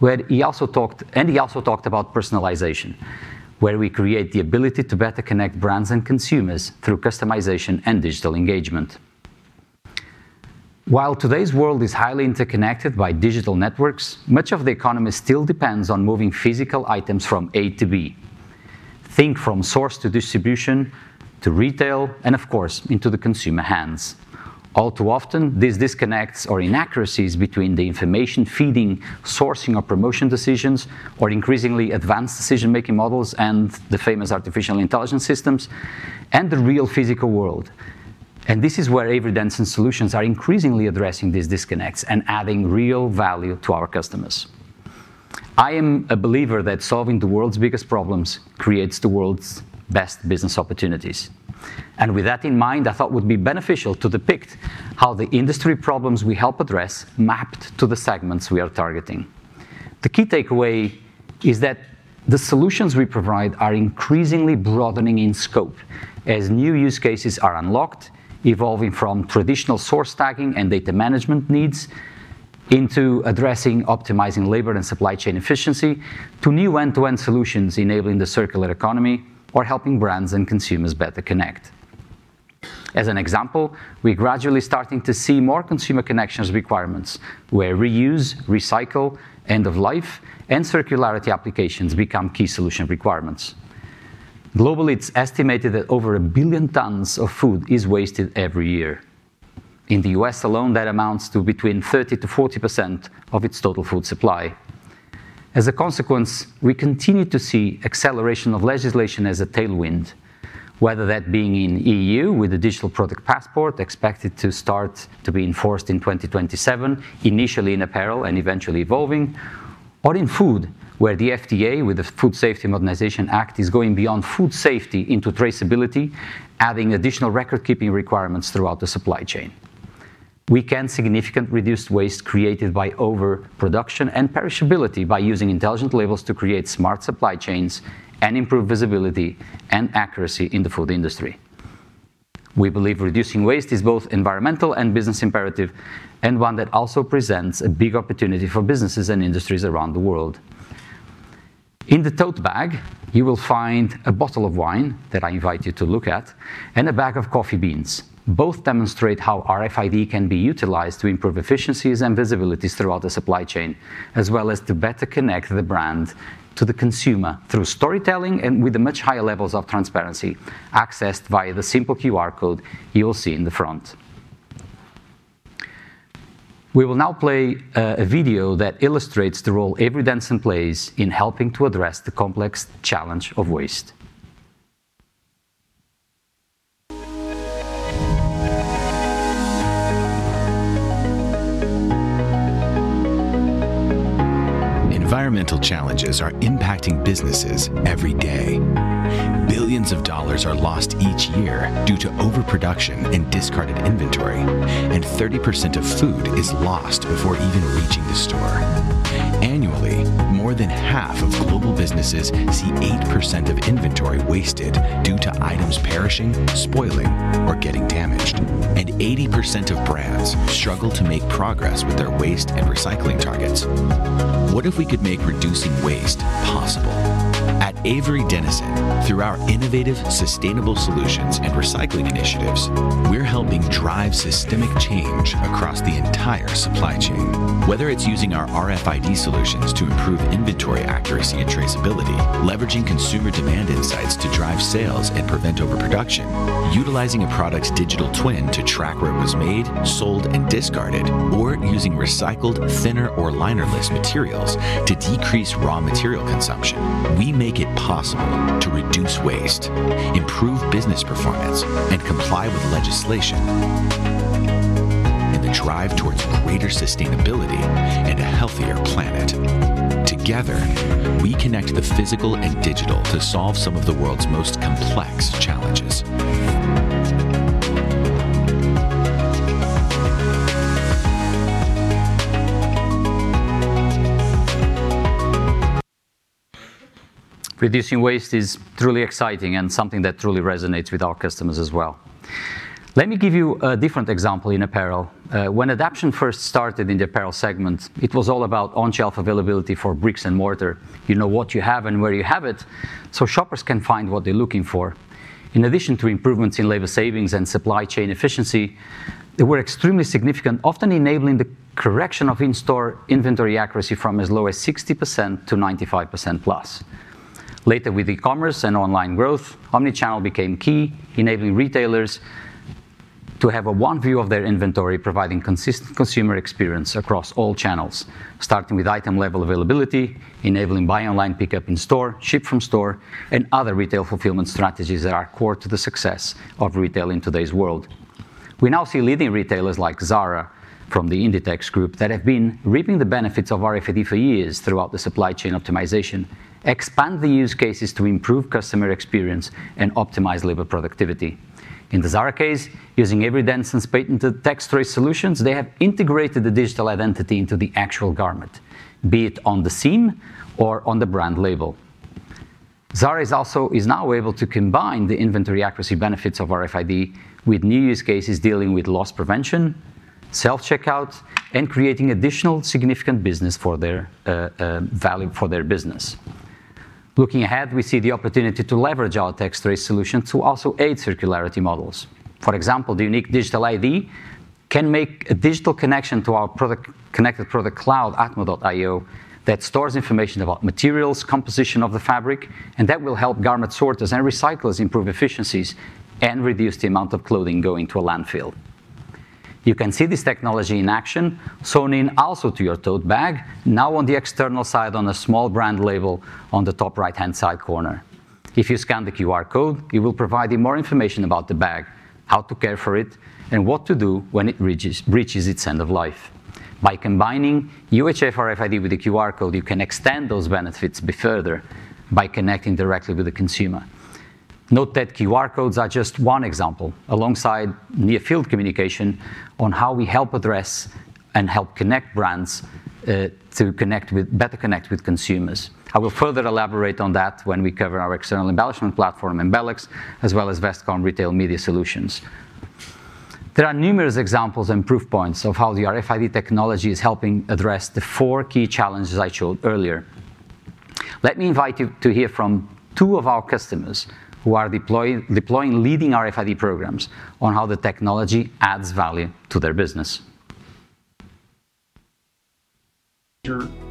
and he also talked about personalization, where we create the ability to better connect brands and consumers through customization and digital engagement. While today's world is highly interconnected by digital networks, much of the economy still depends on moving physical items from A to B. Think from source to distribution, to retail, and of course, into the consumer hands. All too often, these disconnects or inaccuracies between the information feeding, sourcing or promotion decisions, or increasingly advanced decision-making models and the famous artificial intelligence systems, and the real physical world, and this is where Avery Dennison solutions are increasingly addressing these disconnects and adding real value to our customers. I am a believer that solving the world's biggest problems creates the world's best business opportunities, and with that in mind, I thought it would be beneficial to depict how the industry problems we help address mapped to the segments we are targeting. The key takeaway is that the solutions we provide are increasingly broadening in scope as new use cases are unlocked, evolving from traditional source tagging and data management needs into addressing optimizing labor and supply chain efficiency, to new end-to-end solutions enabling the circular economy or helping brands and consumers better connect. As an example, we're gradually starting to see more consumer connections requirements, where reuse, recycle, end of life, and circularity applications become key solution requirements. Globally, it's estimated that over a billion tons of food is wasted every year. In the U.S. alone, that amounts to between 30% to 40% of its total food supply. As a consequence, we continue to see acceleration of legislation as a tailwind, whether that being in E.U. with a Digital Product Passport, expected to start to be enforced in 2027, initially in apparel and eventually evolving, or in food, where the FDA, with the Food Safety Modernization Act, is going beyond food safety into traceability, adding additional record-keeping requirements throughout the supply chain. We can significantly reduce waste created by overproduction and perishability by using Intelligent Labels to create smart supply chains and improve visibility and accuracy in the food industry. We believe reducing waste is both environmental and business imperative, and one that also presents a big opportunity for businesses and industries around the world. In the tote bag, you will find a bottle of wine, that I invite you to look at, and a bag of coffee beans. Both demonstrate how RFID can be utilized to improve efficiencies and visibilities throughout the supply chain, as well as to better connect the brand to the consumer through storytelling and with a much higher levels of transparency, accessed via the simple QR code you will see in the front. We will now play a video that illustrates the role Avery Dennison plays in helping to address the complex challenge of waste. Environmental challenges are impacting businesses every day. Billions of dollars are lost each year due to overproduction and discarded inventory, and 30% of food is lost before even reaching the store. Annually, more than half of global businesses see 8% of inventory wasted due to items perishing, spoiling, or getting damaged, and 80% of brands struggle to make progress with their waste and recycling targets. What if we could make reducing waste possible? At Avery Dennison, through our innovative, sustainable solutions and recycling initiatives, we're helping drive systemic change across the entire supply chain. Whether it's using our RFID solutions to improve inventory accuracy and traceability, leveraging consumer demand insights to drive sales and prevent overproduction, utilizing a product's digital twin to track where it was made, sold, and discarded, or using recycled, thinner, or liner-less materials to decrease raw material consumption, we make it possible to reduce waste, improve business performance, and comply with legislation in the drive towards greater sustainability and a healthier planet. Together, we connect the physical and digital to solve some of the world's most complex challenges. Reducing waste is truly exciting and something that truly resonates with our customers as well. Let me give you a different example in apparel. When adoption first started in the apparel segment, it was all about on-shelf availability for brick and mortar. You know what you have and where you have it, so shoppers can find what they're looking for. In addition to improvements in labor savings and supply chain efficiency, they were extremely significant, often enabling the correction of in-store inventory accuracy from as low as 60% to 95% plus. Later, with e-commerce and online growth, omni-channel became key, enabling retailers to have a one view of their inventory, providing consistent consumer experience across all channels, starting with item-level availability, enabling buy online, pickup in store, ship from store, and other retail fulfillment strategies that are core to the success of retail in today's world. We now see leading retailers like Zara, from the Inditex group, that have been reaping the benefits of RFID for years throughout the supply chain optimization, expand the use cases to improve customer experience and optimize labor productivity. In the Zara case, using Avery Dennison's patented TexTrace solutions, they have integrated the digital identity into the actual garment, be it on the seam or on the brand label. Zara is also now able to combine the inventory accuracy benefits of RFID with new use cases dealing with loss prevention, self-checkout, and creating additional significant business for their value for their business. Looking ahead, we see the opportunity to leverage our TexTrace solution to also aid circularity models. For example, the unique digital ID can make a digital connection to our product-connected product cloud, atma.io, that stores information about materials, composition of the fabric, and that will help garment sorters and recyclers improve efficiencies and reduce the amount of clothing going to a landfill. You can see this technology in action sewn in also to your tote bag, now on the external side on a small brand label on the top right-hand side corner. If you scan the QR code, it will provide you more information about the bag, how to care for it, and what to do when it reaches its end of life. By combining UHF RFID with the QR code, you can extend those benefits further by connecting directly with the consumer. Note that QR codes are just one example, alongside near-field communication, on how we help address and help connect brands to better connect with consumers. I will further elaborate on that when we cover our external embellishment platform, Embelex, as well as Vestcom Retail Media Solutions. There are numerous examples and proof points of how the RFID technology is helping address the four key challenges I showed earlier. Let me invite you to hear from two of our customers who are deploying leading RFID programs on how the technology adds value to their business.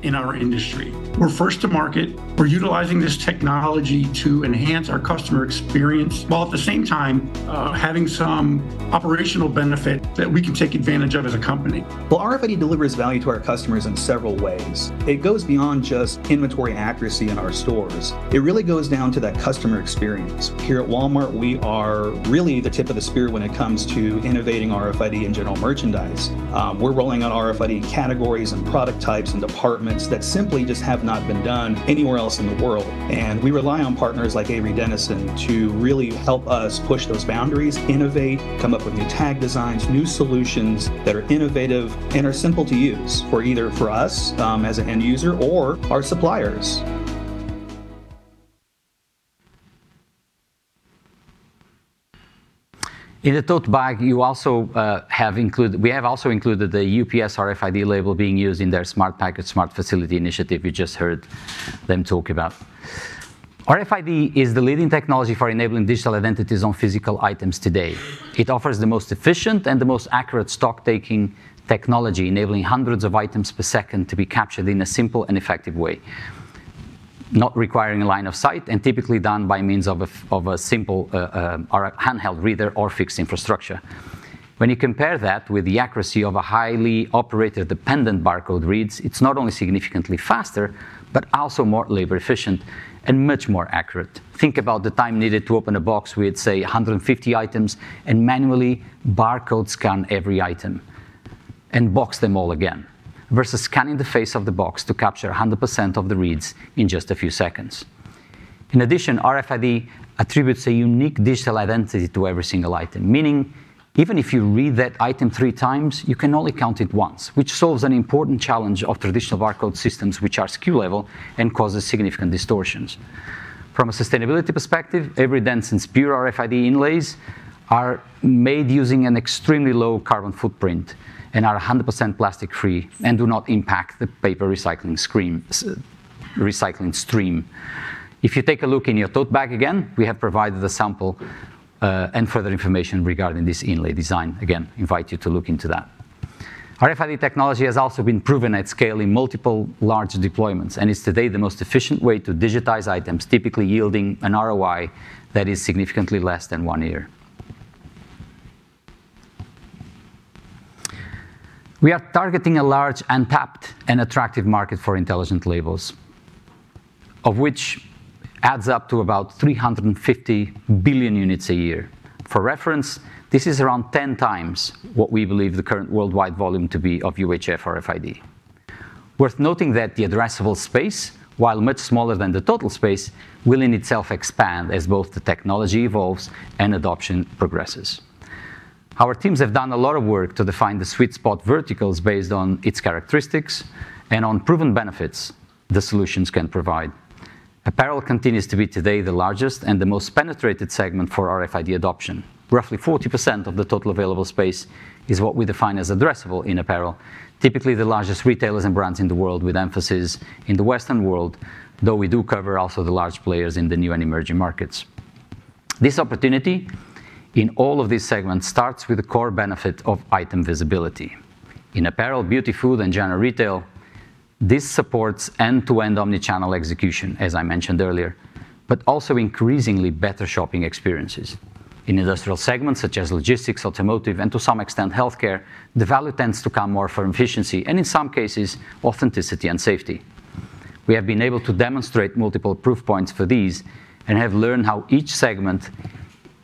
in our industry. We're first to market. We're utilizing this technology to enhance our customer experience, while at the same time, having some operational benefit that we can take advantage of as a company. RFID delivers value to our customers in several ways. It goes beyond just inventory accuracy in our stores. It really goes down to that customer experience. Here at Walmart, we are really the tip of the spear when it comes to innovating RFID and general merchandise. We're rolling out RFID in categories and product types and departments that simply just have not been done anywhere else in the world, and we rely on partners like Avery Dennison to really help us push those boundaries, innovate, come up with new tag designs, new solutions that are innovative and are simple to use, for either us as an end user, or our suppliers. In the tote bag, you also have included... We have also included the UPS RFID label being used in their Smart Package, Smart Facility initiative you just heard them talk about. RFID is the leading technology for enabling digital identities on physical items today. It offers the most efficient and the most accurate stock-taking technology, enabling hundreds of items per second to be captured in a simple and effective way, not requiring a line of sight, and typically done by means of a simple or a handheld reader or fixed infrastructure. When you compare that with the accuracy of a highly operator-dependent barcode reads, it's not only significantly faster, but also more labor efficient and much more accurate. Think about the time needed to open a box with, say, a hundred and fifty items, and manually barcode scan every item, and box them all again, versus scanning the face of the box to capture 100% of the reads in just a few seconds. In addition, RFID attributes a unique digital identity to every single item, meaning even if you read that item three times, you can only count it once, which solves an important challenge of traditional barcode systems, which are SKU level and causes significant distortions. From a sustainability perspective, Avery Dennison's Pure RFID inlays are made using an extremely low carbon footprint and are 100% plastic-free and do not impact the paper recycling stream. If you take a look in your tote bag again, we have provided a sample, and further information regarding this inlay design. Again, invite you to look into that. RFID technology has also been proven at scale in multiple large deployments, and is today the most efficient way to digitize items, typically yielding an ROI that is significantly less than one year. We are targeting a large, untapped, and attractive market for intelligent labels, of which adds up to about three hundred and fifty billion units a year. For reference, this is around ten times what we believe the current worldwide volume to be of UHF RFID. Worth noting that the addressable space, while much smaller than the total space, will in itself expand as both the technology evolves and adoption progresses. Our teams have done a lot of work to define the sweet spot verticals based on its characteristics and on proven benefits the solutions can provide. Apparel continues to be today the largest and the most penetrated segment for RFID adoption. Roughly 40% of the total available space is what we define as addressable in apparel, typically the largest retailers and brands in the world, with emphasis in the Western world, though we do cover also the large players in the new and emerging markets. This opportunity in all of these segments starts with the core benefit of item visibility. In apparel, beauty, food, and general retail, this supports end-to-end omni-channel execution, as I mentioned earlier, but also increasingly better shopping experiences. In industrial segments, such as logistics, automotive, and to some extent healthcare, the value tends to come more from efficiency and, in some cases, authenticity and safety. We have been able to demonstrate multiple proof points for these and have learned how each segment,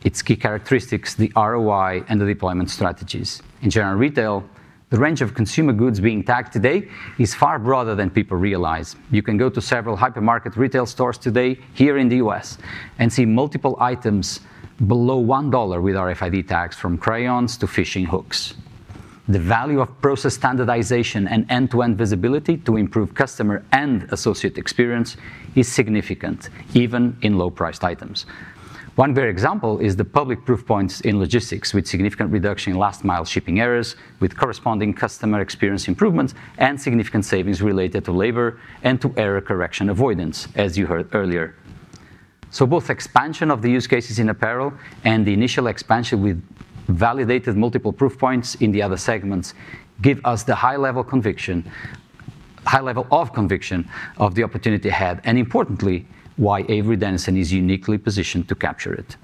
its key characteristics, the ROI, and the deployment strategies. In general retail, the range of consumer goods being tagged today is far broader than people realize. You can go to several hypermarket retail stores today here in the U.S. and see multiple items below $1 with RFID tags, from crayons to fishing hooks. The value of process standardization and end-to-end visibility to improve customer and associate experience is significant, even in low-priced items. One great example is the public proof points in logistics, with significant reduction in last-mile shipping errors, with corresponding customer experience improvements and significant savings related to labor and to error correction avoidance, as you heard earlier. Both expansion of the use cases in apparel and the initial expansion with validated multiple proof points in the other segments give us the high-level conviction of the opportunity ahead, and importantly, why Avery Dennison is uniquely positioned to capture it.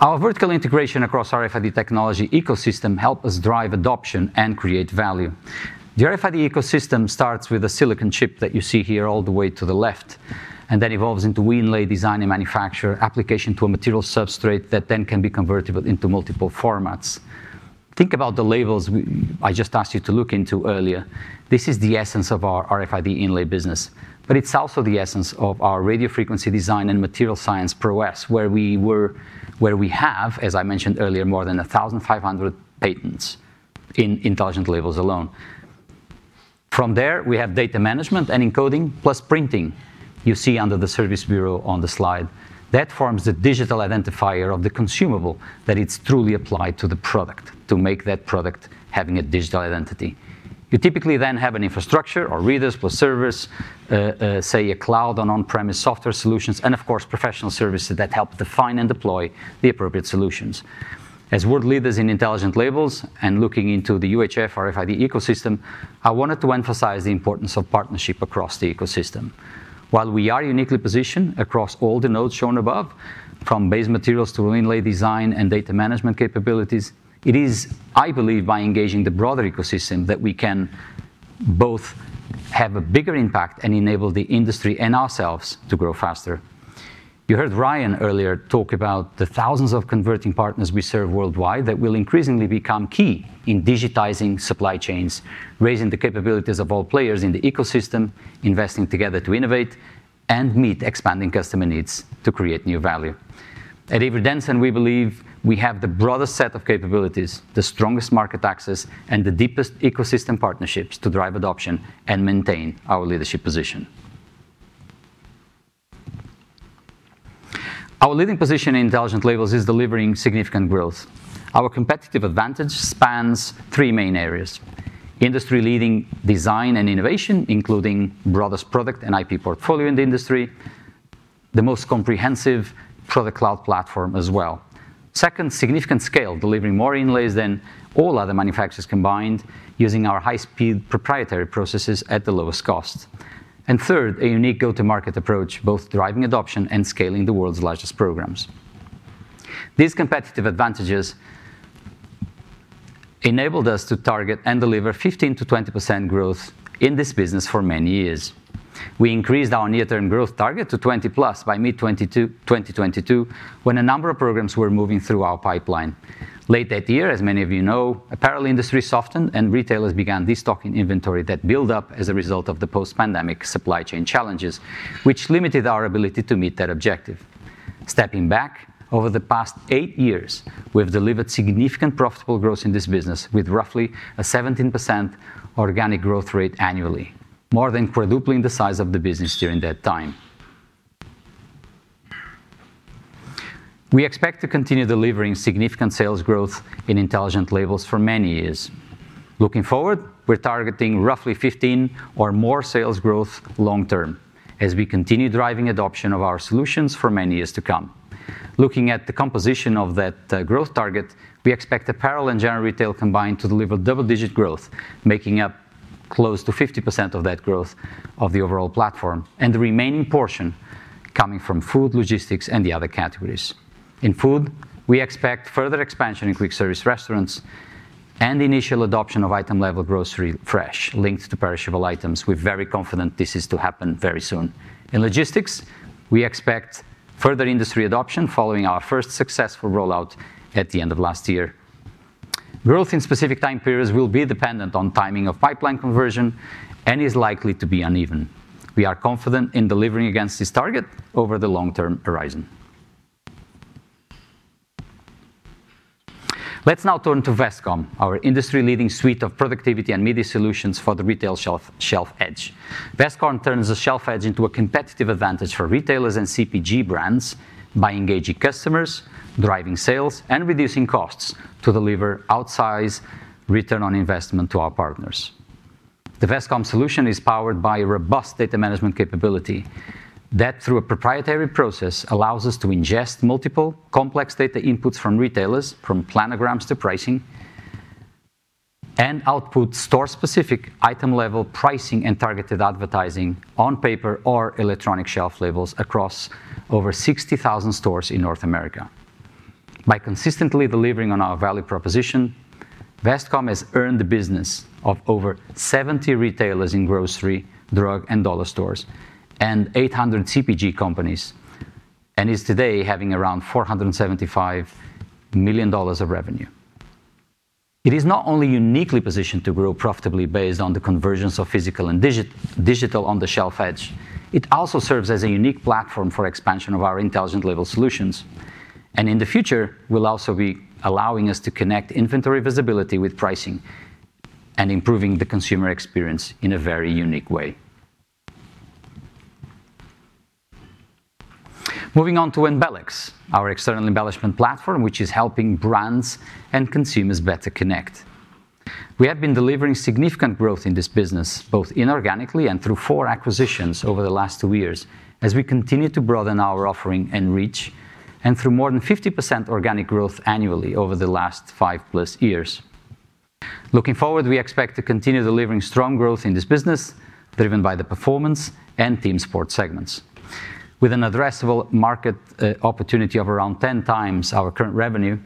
Our vertical integration across RFID technology ecosystem help us drive adoption and create value. The RFID ecosystem starts with a silicon chip that you see here all the way to the left, and then evolves into we inlay, design, and manufacture application to a material substrate that then can be convertible into multiple formats. Think about the labels we, I just asked you to look into earlier. This is the essence of our RFID inlay business, but it's also the essence of our radio frequency design and material science prowess, where we have, as I mentioned earlier, more than one thousand five hundred patents in intelligent labels alone. From there, we have data management and encoding, plus printing. You see under the service bureau on the slide, that forms the digital identifier of the consumable, that it's truly applied to the product to make that product having a digital identity. You typically then have an infrastructure or readers plus service, say, a cloud or an on-premise software solutions, and of course, professional services that help define and deploy the appropriate solutions. As world leaders in intelligent labels and looking into the UHF RFID ecosystem, I wanted to emphasize the importance of partnership across the ecosystem. While we are uniquely positioned across all the nodes shown above, from base materials to inlay design and data management capabilities, it is, I believe, by engaging the broader ecosystem, that we can both have a bigger impact and enable the industry and ourselves to grow faster. You heard Ryan earlier talk about the thousands of converting partners we serve worldwide that will increasingly become key in digitizing supply chains, raising the capabilities of all players in the ecosystem, investing together to innovate, and meet expanding customer needs to create new value. At Avery Dennison, we believe we have the broadest set of capabilities, the strongest market access, and the deepest ecosystem partnerships to drive adoption and maintain our leadership position. Our leading position in intelligent labels is delivering significant growth. Our competitive advantage spans three main areas: industry-leading design and innovation, including broadest product and IP portfolio in the industry, the most comprehensive product cloud platform as well, second, significant scale, delivering more inlays than all other manufacturers combined, using our high-speed proprietary processes at the lowest cost, and third, a unique go-to-market approach, both driving adoption and scaling the world's largest programs. These competitive advantages enabled us to target and deliver 15%-20% growth in this business for many years. We increased our near-term growth target to 20+ by mid-2022, 2022, when a number of programs were moving through our pipeline. Late that year, as many of you know, apparel industry softened and retailers began destocking inventory that built up as a result of the post-pandemic supply chain challenges, which limited our ability to meet that objective. Stepping back, over the past eight years, we've delivered significant profitable growth in this business, with roughly a 17% organic growth rate annually, more than quadrupling the size of the business during that time. We expect to continue delivering significant sales growth in intelligent labels for many years. Looking forward, we're targeting roughly 15 or more sales growth long term as we continue driving adoption of our solutions for many years to come. Looking at the composition of that growth target, we expect apparel and general retail combined to deliver double-digit growth, making up close to 50% of that growth of the overall platform, and the remaining portion coming from food, logistics, and the other categories. In food, we expect further expansion in quick service restaurants and initial adoption of item-level grocery fresh linked to perishable items. We're very confident this is to happen very soon. In logistics, we expect further industry adoption following our first successful rollout at the end of last year. Growth in specific time periods will be dependent on timing of pipeline conversion and is likely to be uneven. We are confident in delivering against this target over the long-term horizon. Let's now turn to Vestcom, our industry-leading suite of productivity and media solutions for the retail shelf, shelf edge. Vestcom turns the shelf edge into a competitive advantage for retailers and CPG brands by engaging customers, driving sales, and reducing costs to deliver outsized return on investment to our partners. The Vestcom solution is powered by a robust data management capability that, through a proprietary process, allows us to ingest multiple complex data inputs from retailers, from planograms to pricing, and output store-specific, item-level pricing and targeted advertising on paper or electronic shelf labels across over 60,000 stores in North America. By consistently delivering on our value proposition, Vestcom has earned the business of over 70 retailers in grocery, drug, and dollar stores, and 800 CPG companies, and is today having around $475 million of revenue. It is not only uniquely positioned to grow profitably based on the convergence of physical and digital on-the-shelf edge, it also serves as a unique platform for expansion of our intelligent label solutions, and in the future, will also be allowing us to connect inventory visibility with pricing and improving the consumer experience in a very unique way. Moving on to Embelex, our external embellishment platform, which is helping brands and consumers better connect. We have been delivering significant growth in this business, both inorganically and through four acquisitions over the last two years, as we continue to broaden our offering and reach, and through more than 50% organic growth annually over the last five-plus years. Looking forward, we expect to continue delivering strong growth in this business, driven by the performance and team sport segments. With an addressable market opportunity of around ten times our current revenue,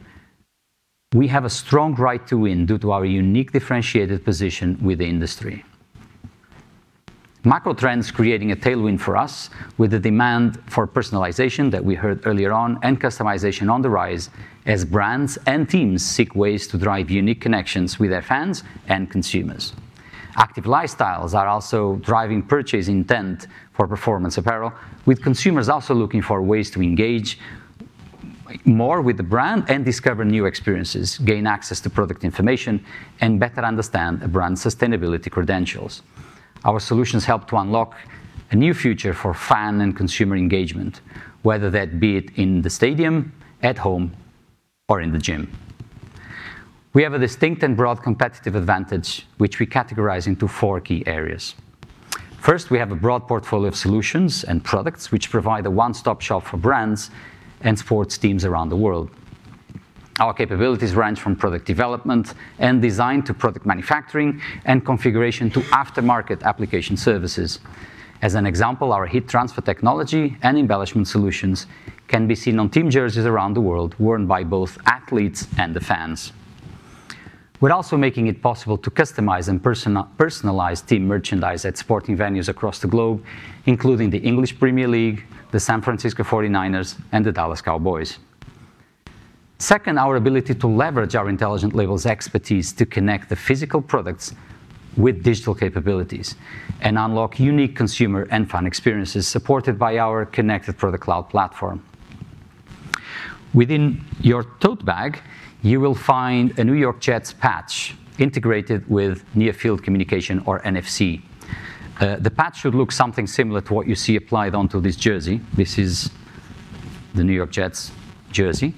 we have a strong right to win due to our unique differentiated position with the industry. Macro trends creating a tailwind for us with the demand for personalization that we heard earlier on, and customization on the rise, as brands and teams seek ways to drive unique connections with their fans and consumers. Active lifestyles are also driving purchase intent for performance apparel, with consumers also looking for ways to engage more with the brand and discover new experiences, gain access to product information, and better understand a brand's sustainability credentials. Our solutions help to unlock a new future for fan and consumer engagement, whether that be it in the stadium, at home, or in the gym. We have a distinct and broad competitive advantage, which we categorize into four key areas. First, we have a broad portfolio of solutions and products, which provide a one-stop shop for brands and sports teams around the world. Our capabilities range from product development and design to product manufacturing and configuration to aftermarket application services. As an example, our heat transfer technology and embellishment solutions can be seen on team jerseys around the world, worn by both athletes and the fans. We're also making it possible to customize and personalize team merchandise at sporting venues across the globe, including the English Premier League, the San Francisco 49ers, and the Dallas Cowboys. Second, our ability to leverage our intelligent labels expertise to connect the physical products with digital capabilities and unlock unique consumer and fan experiences, supported by our Connected Product Cloud platform. Within your tote bag, you will find a New York Jets patch integrated with near-field communication, or NFC. The patch should look something similar to what you see applied onto this jersey. This is the New York Jets jersey.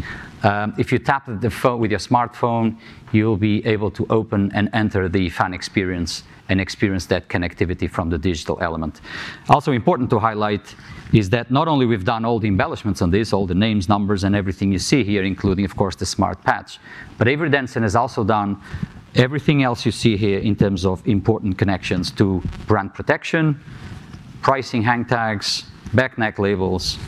If you tap the phone with your smartphone, you'll be able to open and enter the fan experience and experience that connectivity from the digital element. Also important to highlight is that not only we've done all the embellishments on this, all the names, numbers, and everything you see here, including, of course, the smart patch, but Avery Dennison has also done everything else you see here in terms of important connections to brand protection, pricing hang tags, back neck labels,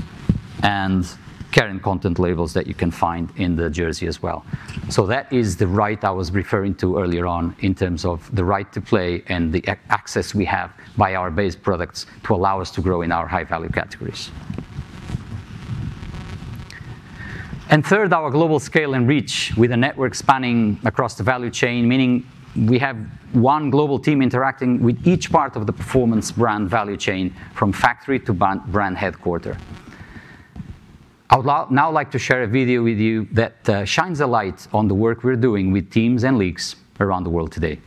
and care and content labels that you can find in the jersey as well. So that is the right I was referring to earlier on in terms of the right to play and the access we have by our base products to allow us to grow in our high-value categories. And third, our global scale and reach with a network spanning across the value chain, meaning we have one global team interacting with each part of the performance brand value chain, from factory to brand headquarters. I would now like to share a video with you that shines a light on the work we're doing with teams and leagues around the world today.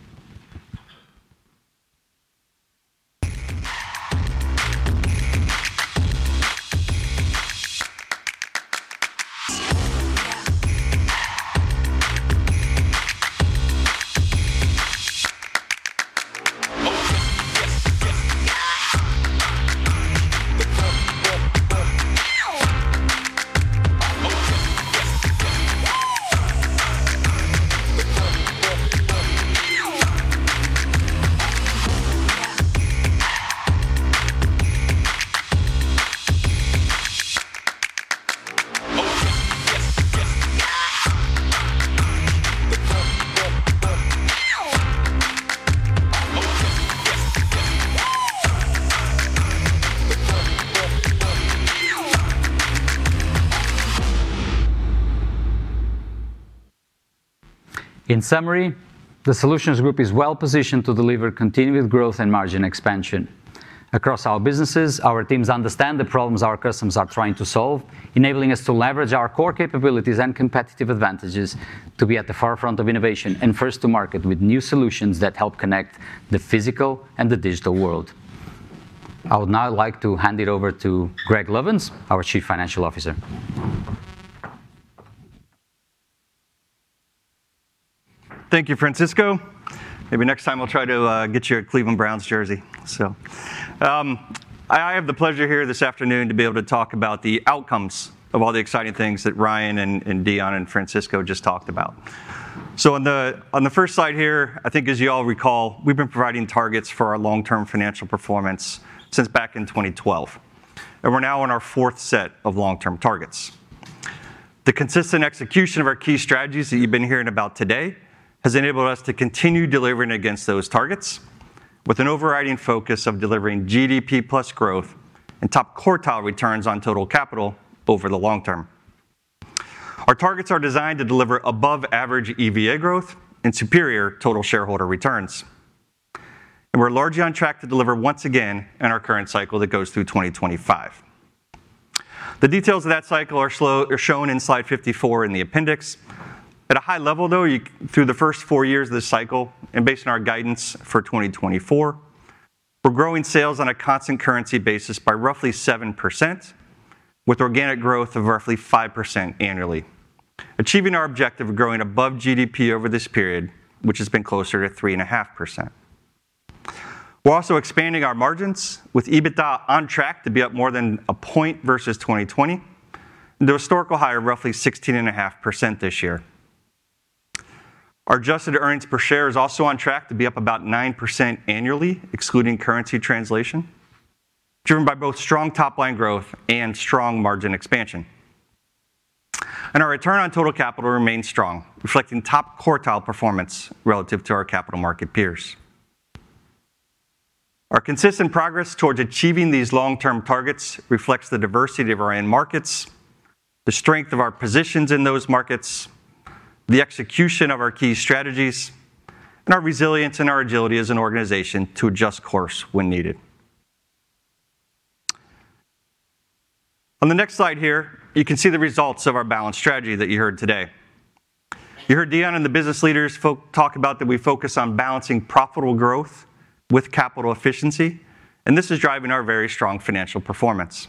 In summary, the Solutions Group is well positioned to deliver continuous growth and margin expansion. Across our businesses, our teams understand the problems our customers are trying to solve, enabling us to leverage our core capabilities and competitive advantages to be at the forefront of innovation and first to market with new solutions that help connect the physical and the digital world. I would now like to hand it over to Greg Lovins, our Chief Financial Officer. Thank you, Francisco. Maybe next time we'll try to get you a Cleveland Browns jersey. I have the pleasure here this afternoon to be able to talk about the outcomes of all the exciting things that Ryan and Dion and Francisco just talked about. On the first slide here, I think as you all recall, we've been providing targets for our long-term financial performance since back in 2012, and we're now on our fourth set of long-term targets. The consistent execution of our key strategies that you've been hearing about today has enabled us to continue delivering against those targets, with an overriding focus of delivering GDP plus growth and top quartile returns on total capital over the long term. Our targets are designed to deliver above-average EVA growth and superior total shareholder returns, and we're largely on track to deliver once again in our current cycle that goes through 2025. The details of that cycle are shown in slide 54 in the appendix. At a high level, though, through the first four years of this cycle, and based on our guidance for 2024, we're growing sales on a constant currency basis by roughly 7%, with organic growth of roughly 5% annually, achieving our objective of growing above GDP over this period, which has been closer to 3.5%. We're also expanding our margins, with EBITDA on track to be up more than a point versus 2020, and the historical high of roughly 16.5% this year. Our adjusted earnings per share is also on track to be up about 9% annually, excluding currency translation, driven by both strong top-line growth and strong margin expansion. And our return on total capital remains strong, reflecting top quartile performance relative to our capital market peers. Our consistent progress towards achieving these long-term targets reflects the diversity of our end markets, the strength of our positions in those markets, the execution of our key strategies, and our resilience and our agility as an organization to adjust course when needed. On the next slide here, you can see the results of our balanced strategy that you heard today. You heard Dion and the business leaders talk about that we focus on balancing profitable growth with capital efficiency, and this is driving our very strong financial performance.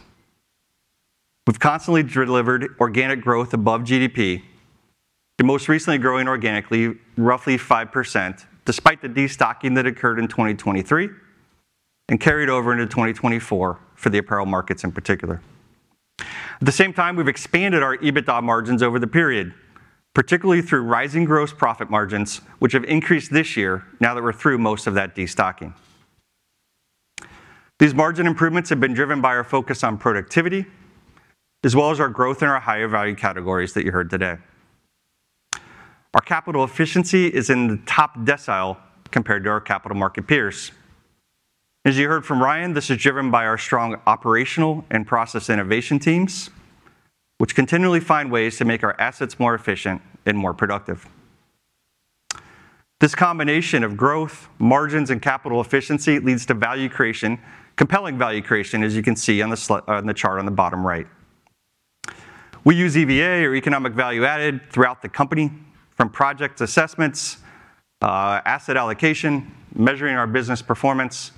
We've constantly delivered organic growth above GDP, and most recently growing organically roughly 5%, despite the destocking that occurred in 2023, and carried over into 2024 for the apparel markets in particular. At the same time, we've expanded our EBITDA margins over the period, particularly through rising gross profit margins, which have increased this year now that we're through most of that destocking. These margin improvements have been driven by our focus on productivity, as well as our growth in our higher value categories that you heard today. Our capital efficiency is in the top decile compared to our capital market peers. As you heard from Ryan, this is driven by our strong operational and process innovation teams, which continually find ways to make our assets more efficient and more productive. This combination of growth, margins, and capital efficiency leads to value creation, compelling value creation, as you can see on the chart on the bottom right. We use EVA, or economic value added, throughout the company, from project assessments, asset allocation, measuring our business performance,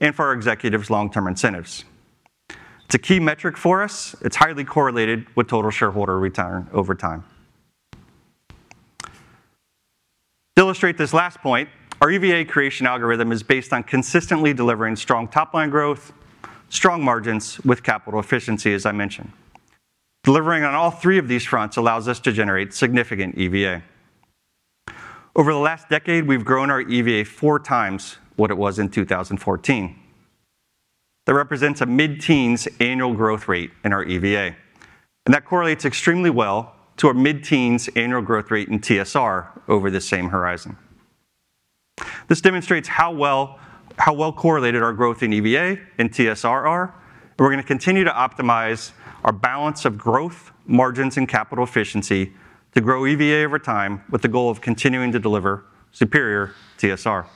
and for our executives' long-term incentives. It's a key metric for us. It's highly correlated with total shareholder return over time. To illustrate this last point, our EVA creation algorithm is based on consistently delivering strong top-line growth, strong margins with capital efficiency, as I mentioned. Delivering on all three of these fronts allows us to generate significant EVA. Over the last decade, we've grown our EVA four times what it was in 2014. That represents a mid-teens annual growth rate in our EVA, and that correlates extremely well to a mid-teens annual growth rate in TSR over the same horizon. This demonstrates how well, how well correlated our growth in EVA and TSR are, and we're going to continue to optimize our balance of growth, margins, and capital efficiency to grow EVA over time, with the goal of continuing to deliver superior TSR.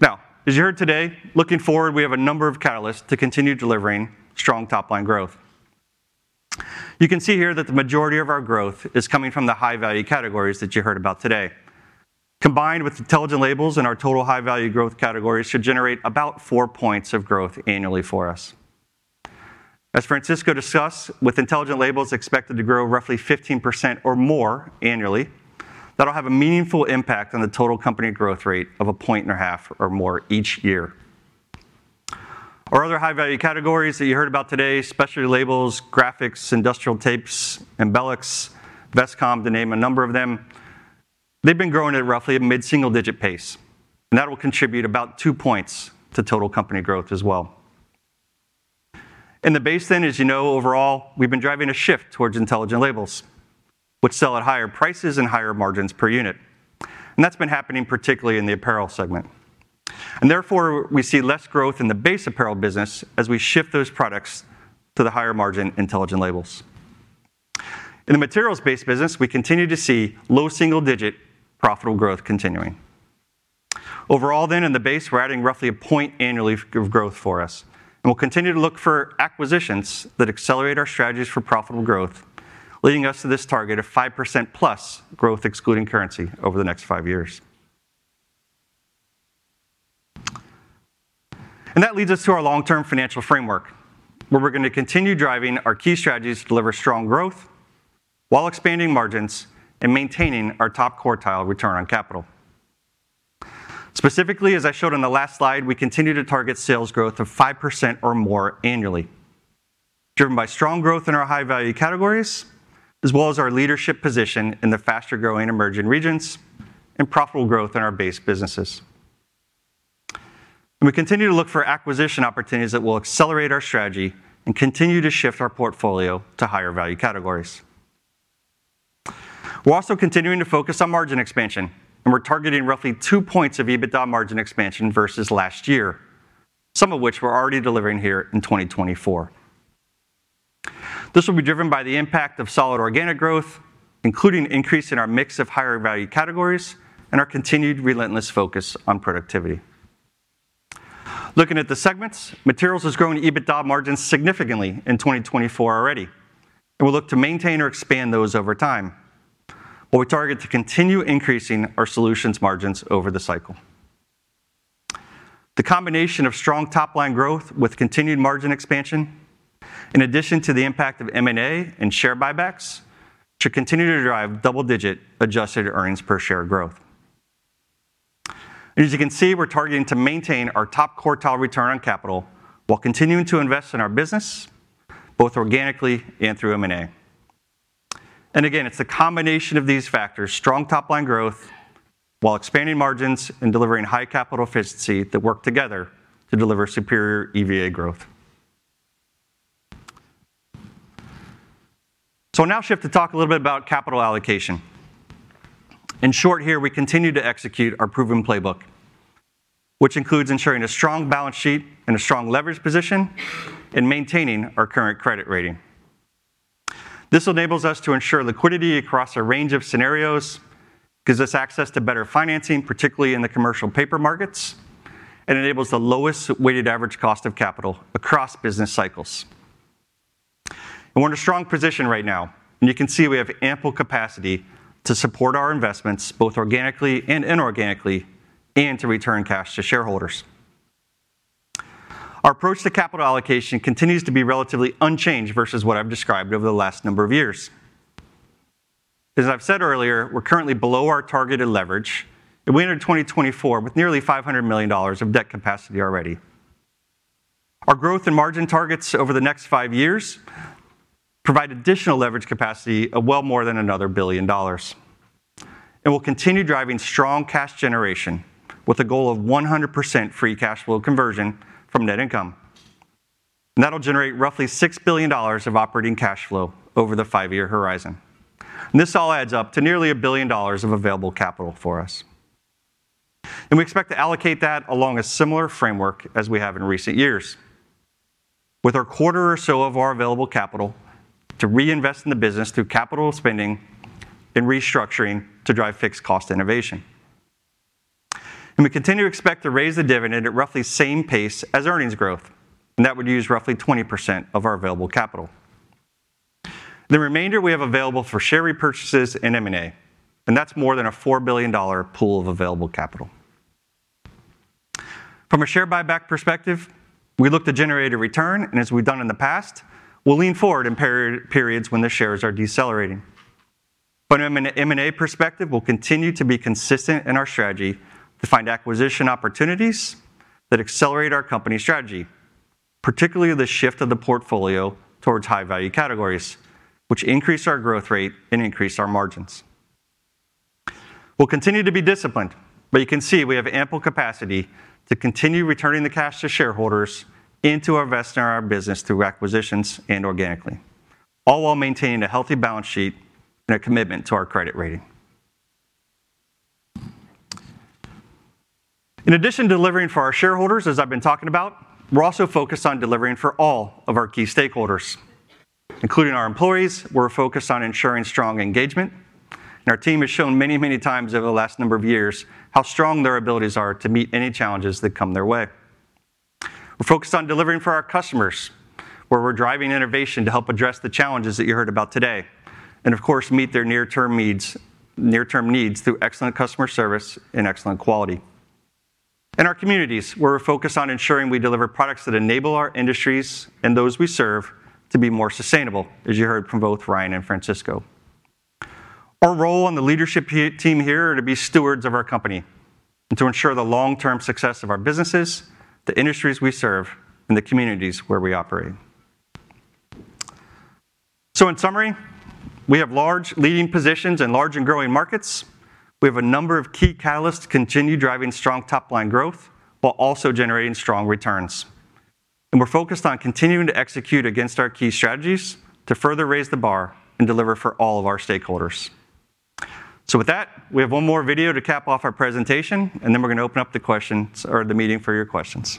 Now, as you heard today, looking forward, we have a number of catalysts to continue delivering strong top-line growth. You can see here that the majority of our growth is coming from the high-value categories that you heard about today. Combined with intelligent labels and our total high-value growth categories should generate about four points of growth annually for us. As Francisco discussed, with intelligent labels expected to grow roughly 15% or more annually, that'll have a meaningful impact on the total company growth rate of a point and a half or more each year. Our other high-value categories that you heard about today, specialty labels, graphics, industrial tapes, Embelex, Vestcom, to name a number of them, they've been growing at roughly a mid-single-digit pace, and that will contribute about two points to total company growth as well. In the base then, as you know, overall, we've been driving a shift towards intelligent labels, which sell at higher prices and higher margins per unit, and that's been happening particularly in the apparel segment. Therefore, we see less growth in the base apparel business as we shift those products to the higher margin intelligent labels. In the materials-based business, we continue to see low single-digit profitable growth continuing. Overall then, in the base, we're adding roughly a point annually of growth for us, and we'll continue to look for acquisitions that accelerate our strategies for profitable growth, leading us to this target of 5% plus growth, excluding currency, over the next five years. And that leads us to our long-term financial framework, where we're going to continue driving our key strategies to deliver strong growth while expanding margins and maintaining our top quartile return on capital. Specifically, as I showed on the last slide, we continue to target sales growth of 5% or more annually, driven by strong growth in our high-value categories, as well as our leadership position in the faster-growing emerging regions, and profitable growth in our base businesses. And we continue to look for acquisition opportunities that will accelerate our strategy and continue to shift our portfolio to higher-value categories. We're also continuing to focus on margin expansion, and we're targeting roughly two points of EBITDA margin expansion versus last year, some of which we're already delivering here in 2024. This will be driven by the impact of solid organic growth, including an increase in our mix of higher-value categories, and our continued relentless focus on productivity. Looking at the segments, Materials is growing EBITDA margins significantly in 2024 already, and we'll look to maintain or expand those over time, while we target to continue increasing our Solutions margins over the cycle. The combination of strong top line growth with continued margin expansion, in addition to the impact of M&A and share buybacks, should continue to drive double-digit adjusted earnings per share growth. As you can see, we're targeting to maintain our top quartile return on capital while continuing to invest in our business, both organically and through M&A. Again, it's the combination of these factors, strong top-line growth, while expanding margins and delivering high capital efficiency, that work together to deliver superior EVA growth. I'll now shift to talk a little bit about capital allocation. In short here, we continue to execute our proven playbook, which includes ensuring a strong balance sheet and a strong leverage position, and maintaining our current credit rating. This enables us to ensure liquidity across a range of scenarios, gives us access to better financing, particularly in the commercial paper markets, and enables the lowest weighted average cost of capital across business cycles. We're in a strong position right now, and you can see we have ample capacity to support our investments, both organically and inorganically, and to return cash to shareholders. Our approach to capital allocation continues to be relatively unchanged versus what I've described over the last number of years. As I've said earlier, we're currently below our targeted leverage, and we entered 2024 with nearly $500 million of debt capacity already. Our growth and margin targets over the next five years provide additional leverage capacity of well more than another billion dollars, and we'll continue driving strong cash generation, with a goal of 100% free cash flow conversion from net income, and that'll generate roughly $6 billion of operating cash flow over the five-year horizon. And this all adds up to nearly $1 billion of available capital for us, and we expect to allocate that along a similar framework as we have in recent years, with a quarter or so of our available capital to reinvest in the business through capital spending and restructuring to drive fixed cost innovation. We continue to expect to raise the dividend at roughly the same pace as earnings growth, and that would use roughly 20% of our available capital. The remainder we have available for share repurchases and M&A, and that's more than a $4 billion pool of available capital. From a share buyback perspective, we look to generate a return, and as we've done in the past, we'll lean forward in periods when the shares are decelerating. From an M&A perspective, we'll continue to be consistent in our strategy to find acquisition opportunities that accelerate our company strategy, particularly the shift of the portfolio towards high-value categories, which increase our growth rate and increase our margins. We'll continue to be disciplined, but you can see we have ample capacity to continue returning the cash to shareholders and to investing in our business through acquisitions and organically, all while maintaining a healthy balance sheet and a commitment to our credit rating. In addition to delivering for our shareholders, as I've been talking about, we're also focused on delivering for all of our key stakeholders, including our employees. We're focused on ensuring strong engagement, and our team has shown many, many times over the last number of years how strong their abilities are to meet any challenges that come their way. We're focused on delivering for our customers, where we're driving innovation to help address the challenges that you heard about today, and of course, meet their near-term needs through excellent customer service and excellent quality. In our communities, we're focused on ensuring we deliver products that enable our industries and those we serve to be more sustainable, as you heard from both Ryan and Francisco. Our role on the leadership team here are to be stewards of our company, and to ensure the long-term success of our businesses, the industries we serve, and the communities where we operate. So in summary, we have large leading positions in large and growing markets. We have a number of key catalysts to continue driving strong top-line growth, while also generating strong returns. We're focused on continuing to execute against our key strategies to further raise the bar and deliver for all of our stakeholders. With that, we have one more video to cap off our presentation, and then we're gonna open up the questions... or the meeting for your questions. ...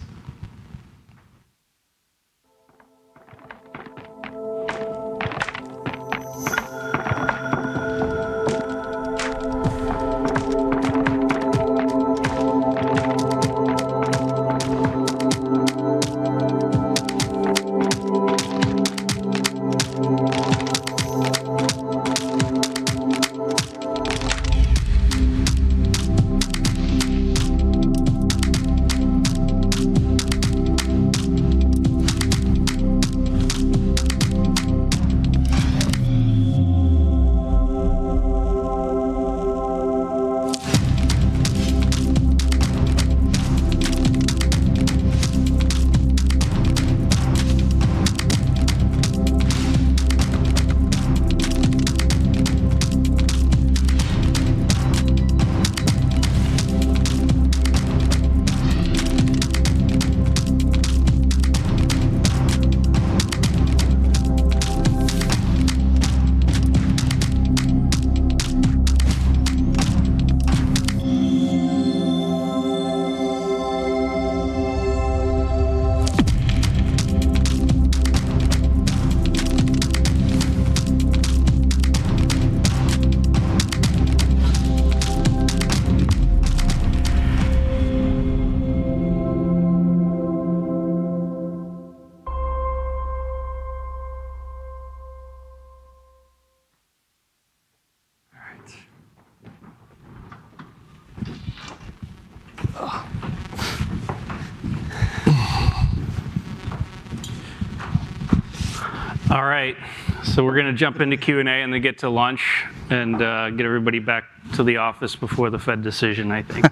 All right. All right, so we're gonna jump into Q&A, and then get to lunch, and get everybody back to the office before the Fed decision, I think.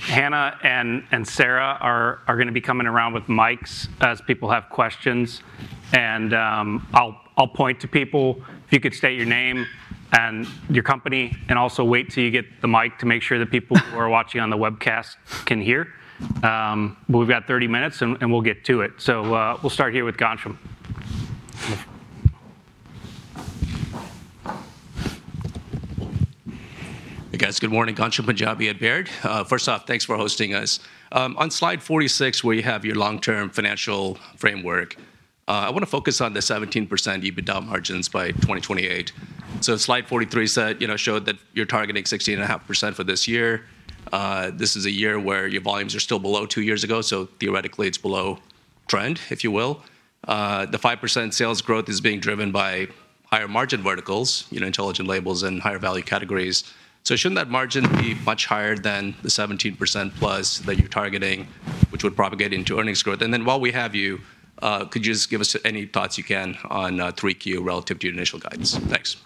Hannah and Sarah are gonna be coming around with mics as people have questions, and I'll point to people. If you could state your name and your company, and also wait till you get the mic to make sure the people who are watching on the webcast can hear. But we've got 30 minutes, and we'll get to it. So, we'll start here with Ghansham. Hey, guys. Good morning, Ghansham Panjabi at Baird. First off, thanks for hosting us. On slide 46, where you have your long-term financial framework, I wanna focus on the 17% EBITDA margins by 2028. So slide 43 said, you know, showed that you're targeting 16.5% for this year. This is a year where your volumes are still below two years ago, so theoretically, it's below trend, if you will. The 5% sales growth is being driven by higher margin verticals, you know, Intelligent Labels and higher value categories. So shouldn't that margin be much higher than the 17-plus that you're targeting, which would propagate into earnings growth? And then while we have you, could you just give us any thoughts you can on 3Q relative to your initial guidance? Thanks.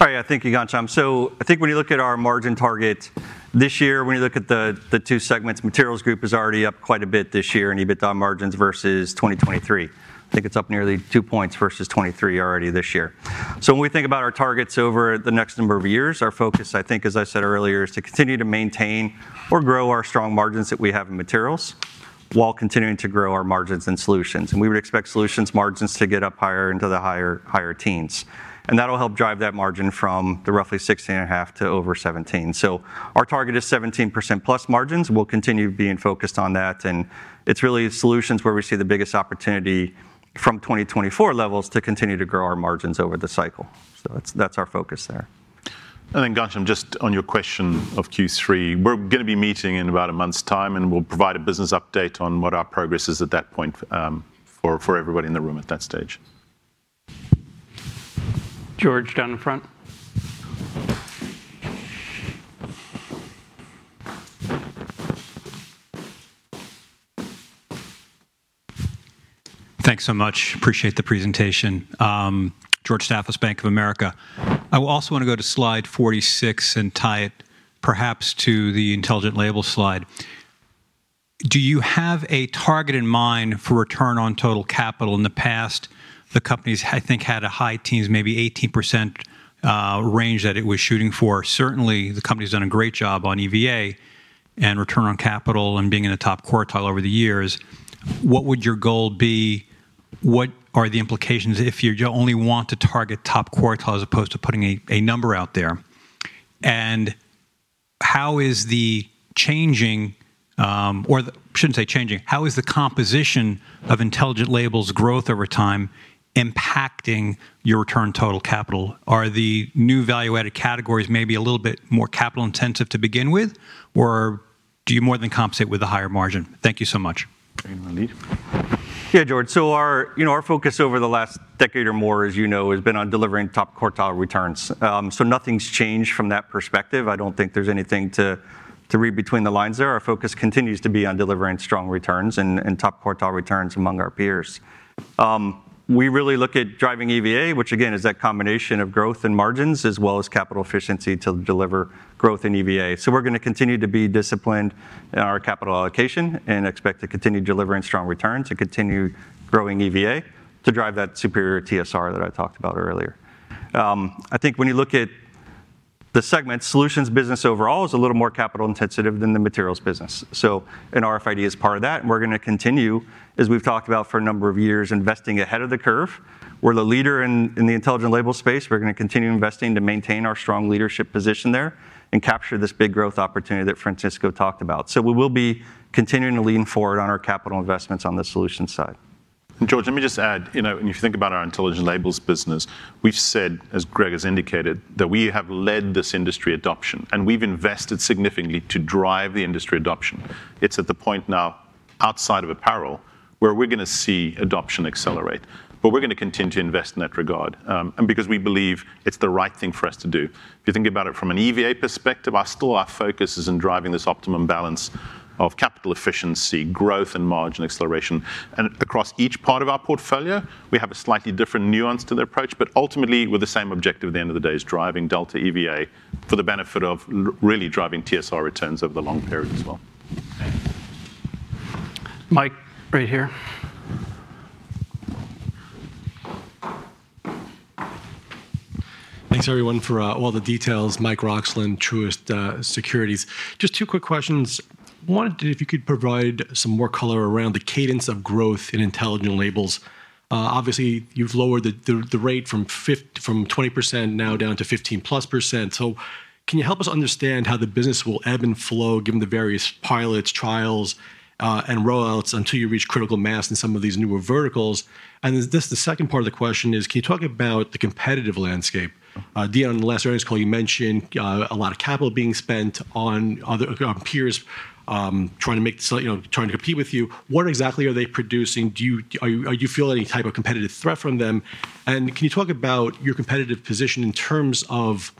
All right, thank you, Ghansham. So I think when you look at our margin target this year, when you look at the two segments, Materials Group is already up quite a bit this year in EBITDA margins versus 2023. I think it's up nearly two points versus 2023 already this year. So when we think about our targets over the next number of years, our focus, I think, as I said earlier, is to continue to maintain or grow our strong margins that we have in Materials, while continuing to grow our margins in Solutions. And we would expect Solutions margins to get up higher into the higher teens, and that'll help drive that margin from the roughly 16.5% to over 17%. So our target is 17%-plus margins. We'll continue being focused on that, and it's really Solutions where we see the biggest opportunity from 2024 levels to continue to grow our margins over the cycle. So that's, that's our focus there. And then, Ghansham, just on your question of Q3, we're gonna be meeting in about a month's time, and we'll provide a business update on what our progress is at that point for everybody in the room at that stage. George, down in the front. Thanks so much. Appreciate the presentation. George Staphos, Bank of America. I also want to go to slide 46 and tie it perhaps to the intelligent label slide. Do you have a target in mind for return on total capital? In the past, the company's, I think, had a high teens, maybe 18%, range that it was shooting for. Certainly, the company's done a great job on EVA and return on capital and being in a top quartile over the years. What would your goal be? What are the implications if you only want to target top quartile as opposed to putting a, a number out there? And how is the composition of intelligent labels growth over time impacting your return total capital? Are the new value-added categories maybe a little bit more capital-intensive to begin with, or do you more than compensate with a higher margin? Thank you so much. You want to lead? Yeah, George, so our, you know, our focus over the last decade or more, as you know, has been on delivering top quartile returns. So nothing's changed from that perspective. I don't think there's anything to read between the lines there. Our focus continues to be on delivering strong returns and top quartile returns among our peers. We really look at driving EVA, which again, is that combination of growth and margins, as well as capital efficiency to deliver growth in EVA. So we're gonna continue to be disciplined in our capital allocation and expect to continue delivering strong returns, to continue growing EVA, to drive that superior TSR that I talked about earlier. I think when you look at the segment, Solutions business overall is a little more capital-intensive than the Materials business, so, and RFID is part of that, and we're gonna continue, as we've talked about for a number of years, investing ahead of the curve. We're the leader in the intelligent label space. We're gonna continue investing to maintain our strong leadership position there and capture this big growth opportunity that Francisco talked about. So we will be continuing to lean forward on our capital investments on the Solutions side. George, let me just add, you know, when you think about our intelligent labels business, we've said, as Greg has indicated, that we have led this industry adoption, and we've invested significantly to drive the industry adoption. It's at the point now outside of apparel, where we're gonna see adoption accelerate. But we're gonna continue to invest in that regard, and because we believe it's the right thing for us to do. If you think about it from an EVA perspective, our still our focus is in driving this optimum balance of capital efficiency, growth, and margin acceleration. And across each part of our portfolio, we have a slightly different nuance to the approach, but ultimately, with the same objective at the end of the day, is driving delta EVA for the benefit of really driving TSR returns over the long period as well. Mike, right here. Thanks, everyone, for all the details. Michael Roxland, Truist Securities. Just two quick questions. One, if you could provide some more color around the cadence of growth in Intelligent Labels. Obviously, you've lowered the rate from 20% now down to 15%+. So can you help us understand how the business will ebb and flow, given the various pilots, trials, and rollouts, until you reach critical mass in some of these newer verticals? And the second part of the question is, can you talk about the competitive landscape? Dion, in the last earnings call, you mentioned a lot of capital being spent on other peers trying to make this, you know, trying to compete with you. What exactly are they producing? Do you feel any type of competitive threat from them? Can you talk about your competitive position in terms of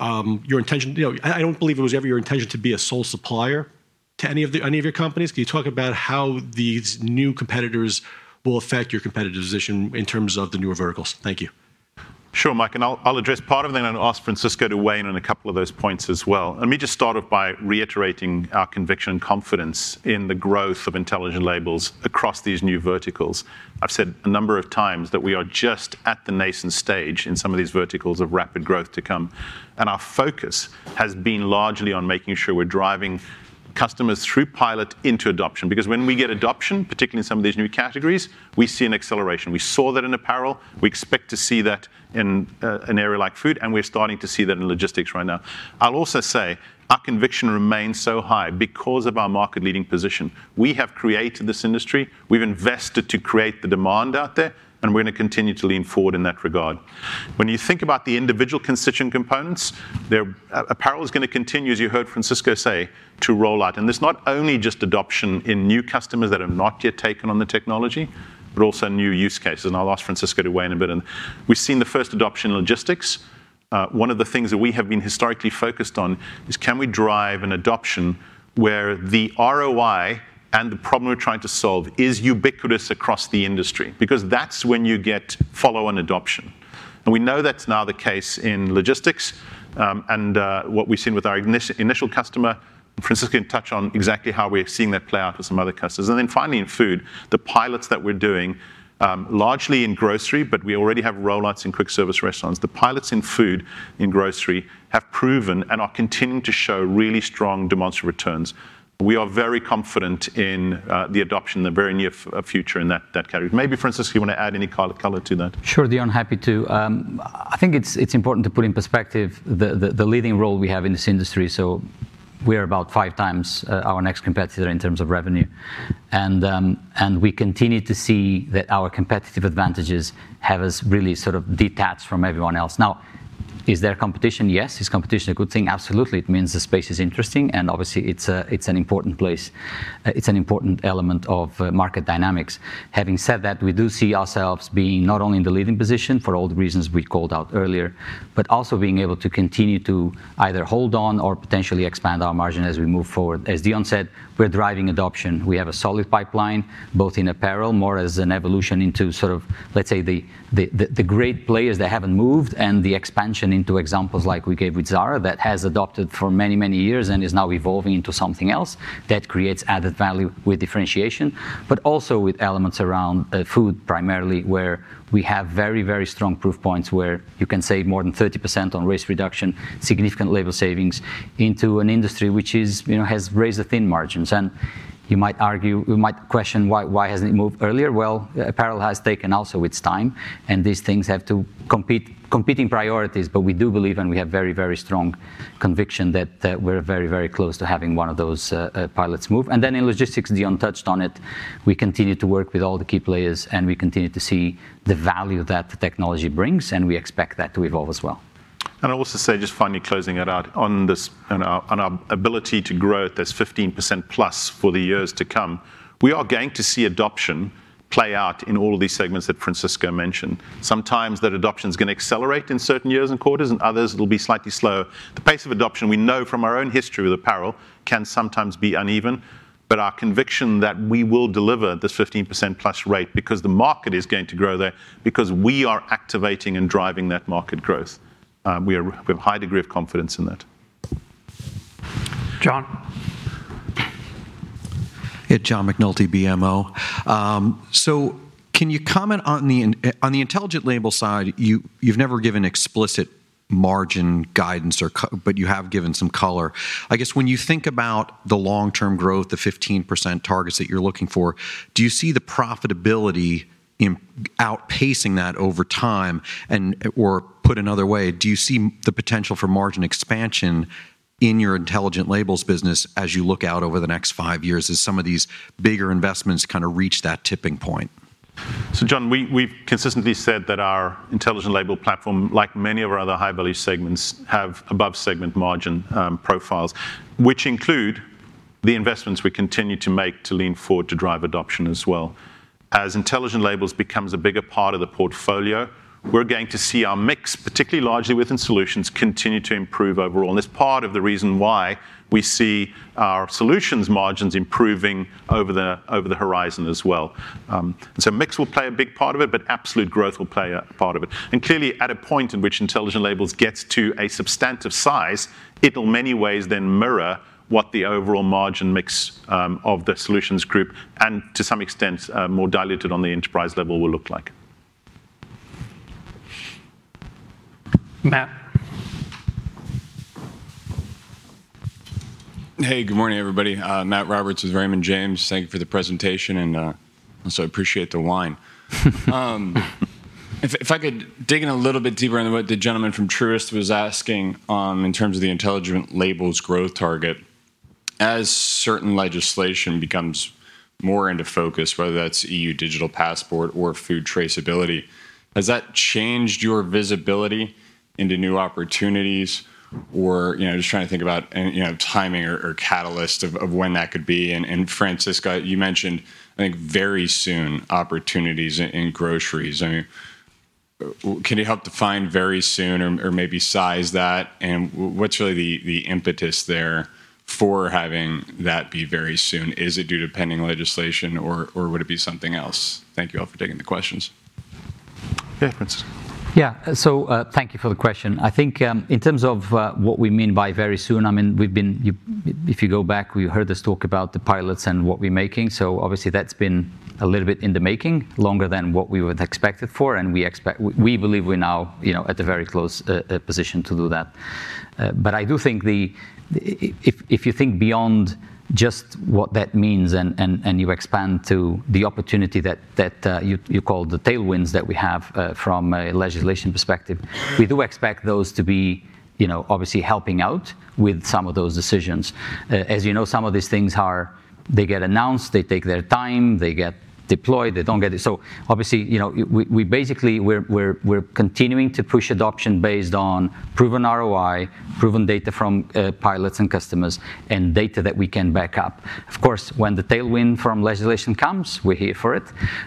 your intention. You know, I don't believe it was ever your intention to be a sole supplier to any of your companies. Can you talk about how these new competitors will affect your competitive position in terms of the newer verticals? Thank you. Sure, Mike, and I'll address part of that, and then ask Francisco to weigh in on a couple of those points as well. Let me just start off by reiterating our conviction and confidence in the growth of intelligent labels across these new verticals. I've said a number of times that we are just at the nascent stage in some of these verticals of rapid growth to come, and our focus has been largely on making sure we're driving customers through pilot into adoption. Because when we get adoption, particularly in some of these new categories, we see an acceleration. We saw that in apparel. We expect to see that in an area like food, and we're starting to see that in logistics right now. I'll also say our conviction remains so high because of our market-leading position. We have created this industry. We've invested to create the demand out there, and we're gonna continue to lean forward in that regard. When you think about the individual constituent components, their apparel is gonna continue, as you heard Francisco say, to roll out. And there's not only just adoption in new customers that have not yet taken on the technology, but also new use cases, and I'll ask Francisco to weigh in a bit. And we've seen the first adoption in logistics. One of the things that we have been historically focused on is can we drive an adoption where the ROI and the problem we're trying to solve is ubiquitous across the industry? Because that's when you get follow-on adoption, and we know that's now the case in logistics. And what we've seen with our initial customer, Francisco can touch on exactly how we're seeing that play out with some other customers. And then finally, in food, the pilots that we're doing largely in grocery, but we already have rollouts in quick-service restaurants. The pilots in food, in grocery, have proven and are continuing to show really strong demonstrable returns. We are very confident in the adoption in the very near future in that category. Maybe, Francisco, you want to add any color to that? Sure, Dion, happy to. I think it's important to put in perspective the leading role we have in this industry. So we're about five times our next competitor in terms of revenue. And we continue to see that our competitive advantages have us really sort of detached from everyone else. Now, is there competition? Yes. Is competition a good thing? Absolutely. It means the space is interesting, and obviously, it's an important place. It's an important element of market dynamics. Having said that, we do see ourselves being not only in the leading position for all the reasons we called out earlier, but also being able to continue to either hold on or potentially expand our margin as we move forward. As Dion said, we're driving adoption. We have a solid pipeline, both in apparel, more as an evolution into sort of, let's say, the great players that haven't moved, and the expansion into examples like we gave with Zara, that has adopted for many, many years and is now evolving into something else that creates added value with differentiation. But also with elements around food, primarily, where we have very, very strong proof points where you can save more than 30% on waste reduction, significant labor savings, into an industry which is, you know, has razor-thin margins. And you might argue, you might question: Why, why hasn't it moved earlier? Well, apparel has taken also its time, and these things have to compete with competing priorities. But we do believe, and we have very, very strong conviction, that we're very, very close to having one of those pilots move. And then in logistics, Deon touched on it, we continue to work with all the key players, and we continue to see the value that the technology brings, and we expect that to evolve as well. And I'll also say, just finally closing it out, on this, on our ability to grow at this 15% plus for the years to come, we are going to see adoption play out in all of these segments that Francisco mentioned. Sometimes that adoption's gonna accelerate in certain years and quarters, and others it'll be slightly slower. The pace of adoption, we know from our own history with apparel, can sometimes be uneven, but our conviction that we will deliver this 15% plus rate because the market is going to grow there, because we are activating and driving that market growth, we have a high degree of confidence in that. John? Yeah, John McNulty, BMO. So can you comment on the Intelligent Label side, you've never given explicit margin guidance but you have given some color. I guess when you think about the long-term growth, the 15% targets that you're looking for, do you see the profitability outpacing that over time? And, or put another way, do you see the potential for margin expansion in your Intelligent Labels business as you look out over the next five years, as some of these bigger investments kind of reach that tipping point?... So John, we've consistently said that our Intelligent Labels platform, like many of our other high-value segments, have above-segment margin profiles, which include the investments we continue to make to lean forward to drive adoption as well. As Intelligent Labels becomes a bigger part of the portfolio, we're going to see our mix, particularly largely within Solutions, continue to improve overall, and it's part of the reason why we see our Solutions margins improving over the horizon as well, so mix will play a big part of it, but absolute growth will play a part of it, and clearly, at a point in which Intelligent Labels gets to a substantive size, it'll many ways then mirror what the overall margin mix of the Solutions Group, and to some extent, more diluted on the enterprise level, will look like. Matt? Hey, good morning, everybody. Matt Roberts with Raymond James. Thank you for the presentation, and also appreciate the wine. If I could dig in a little bit deeper into what the gentleman from Truist was asking, in terms of the Intelligent Labels growth target. As certain legislation becomes more into focus, whether that's EU digital passport or food traceability, has that changed your visibility into new opportunities? Or, you know, just trying to think about, any, you know, timing or catalyst of when that could be. And Francisco, you mentioned, I think, very soon, opportunities in groceries. I mean, can you help define "very soon" or maybe size that? And what's really the impetus there for having that be very soon? Is it due to pending legislation or would it be something else? Thank you all for taking the questions. Yeah, Francisco. Yeah. So, thank you for the question. I think, in terms of, what we mean by very soon, I mean, we've been... if you go back, you heard us talk about the pilots and what we're making, so obviously, that's been a little bit in the making, longer than what we would expected for, and we believe we're now, you know, at a very close position to do that. But I do think if you think beyond just what that means and you expand to the opportunity that you called the tailwinds that we have, from a legislation perspective, we do expect those to be, you know, obviously helping out with some of those decisions. As you know, some of these things are, they get announced, they take their time, they get deployed, they don't get it. So obviously, you know, we basically, we're continuing to push adoption based on proven ROI, proven data from pilots and customers, and data that we can back up. Of course, when the tailwind from legislation comes, we're here for it.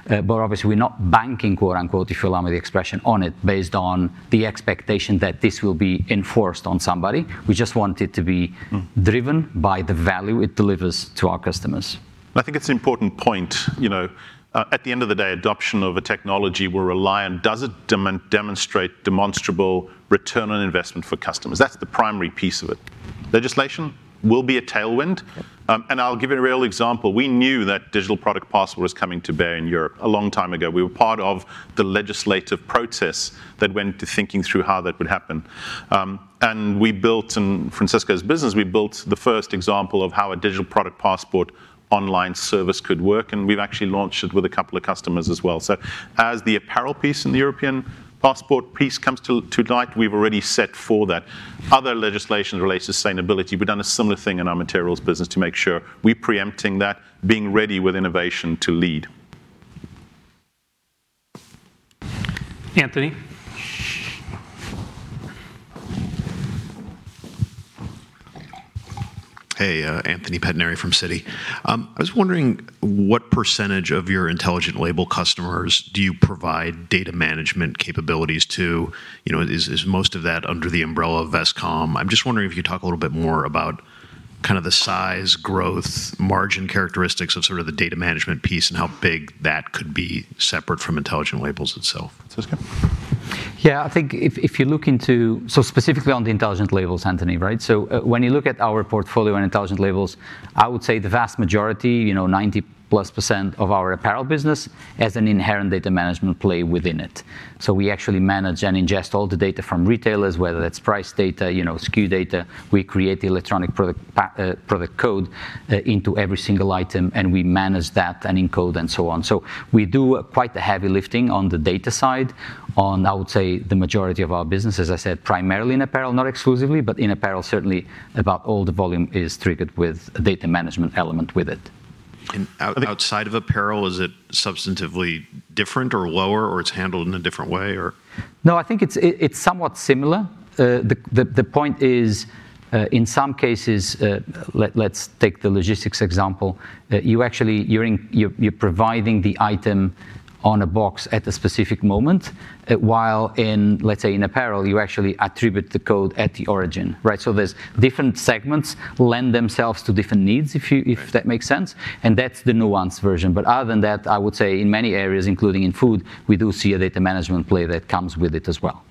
But obviously, we're not banking, quote-unquote, if you allow me the expression, on it, based on the expectation that this will be enforced on somebody. We just want it to be- Mm... driven by the value it delivers to our customers. I think it's an important point. You know, at the end of the day, adoption of a technology will rely on, does it demonstrate demonstrable return on investment for customers? That's the primary piece of it. Legislation will be a tailwind. Yep. And I'll give you a real example. We knew that digital product passport was coming to bear in Europe a long time ago. We were part of the legislative process that went to thinking through how that would happen. And we built, in Francisco's business, we built the first example of how a digital product passport online service could work, and we've actually launched it with a couple of customers as well. So as the apparel piece and the European passport piece comes to light, we've already set for that. Other legislation relates to sustainability. We've done a similar thing in our materials business to make sure we're preempting that, being ready with innovation to lead. Anthony? Hey, Anthony Pettinari from Citi. I was wondering what percentage of your Intelligent Labels customers do you provide data management capabilities to? You know, is most of that under the umbrella of Vestcom? I'm just wondering if you could talk a little bit more about kind of the size, growth, margin characteristics of sort of the data management piece, and how big that could be separate from Intelligent Labels itself. Francisco? Yeah, I think if you look into... So specifically on the Intelligent Labels, Anthony, right? So, when you look at our portfolio on Intelligent Labels, I would say the vast majority, you know, 90-plus% of our apparel business, has an inherent data management play within it. So we actually manage and ingest all the data from retailers, whether that's price data, you know, SKU data. We create the electronic product code into every single item, and we manage that and encode, and so on. So we do quite the heavy lifting on the data side on, I would say, the majority of our business, as I said, primarily in apparel, not exclusively, but in apparel, certainly about all the volume is triggered with a data management element with it. And out- I think-... outside of apparel, is it substantively different or lower, or it's handled in a different way, or? No, I think it's somewhat similar. The point is, in some cases, let's take the logistics example. You actually providing the item on a box at a specific moment, while, let's say, in apparel, you actually attribute the code at the origin, right? So there's different segments lend themselves to different needs, if that makes sense, and that's the nuanced version. But other than that, I would say in many areas, including in food, we do see a data management play that comes with it as well.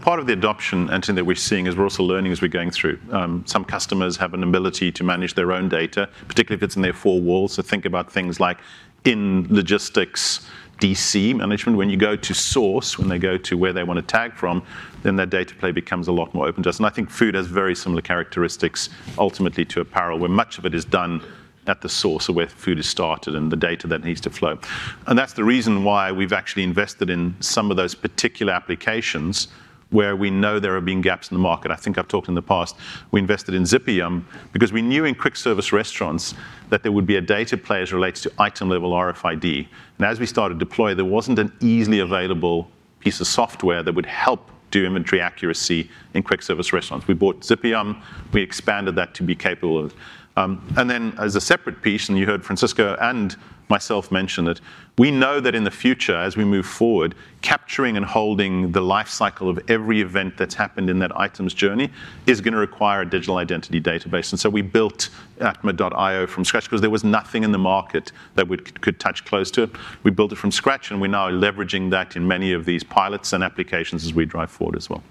Part of the adoption, Anthony, that we're seeing is we're also learning as we're going through. Some customers have an ability to manage their own data, particularly if it's in their four walls. So think about things like in logistics, DC management, when you go to source, when they go to where they want to tag from, then their data play becomes a lot more open to us. And I think food has very similar characteristics ultimately to apparel, where much of it is done at the source or where food is started and the data that needs to flow. And that's the reason why we've actually invested in some of those particular applications, where we know there have been gaps in the market. I think I've talked in the past, we invested in Zippin because we knew in quick-service restaurants that there would be a data play as it relates to item-level RFID. And as we started to deploy, there wasn't an easily available piece of software that would help do inventory accuracy in quick service restaurants. We bought Zippin, we expanded that to be capable of. And then as a separate piece, and you heard Francisco and myself mention it, we know that in the future, as we move forward, capturing and holding the life cycle of every event that's happened in that item's journey is gonna require a digital identity database. And so we built atma.io from scratch because there was nothing in the market that could touch close to it. We built it from scratch, and we're now leveraging that in many of these pilots and applications as we drive forward as well.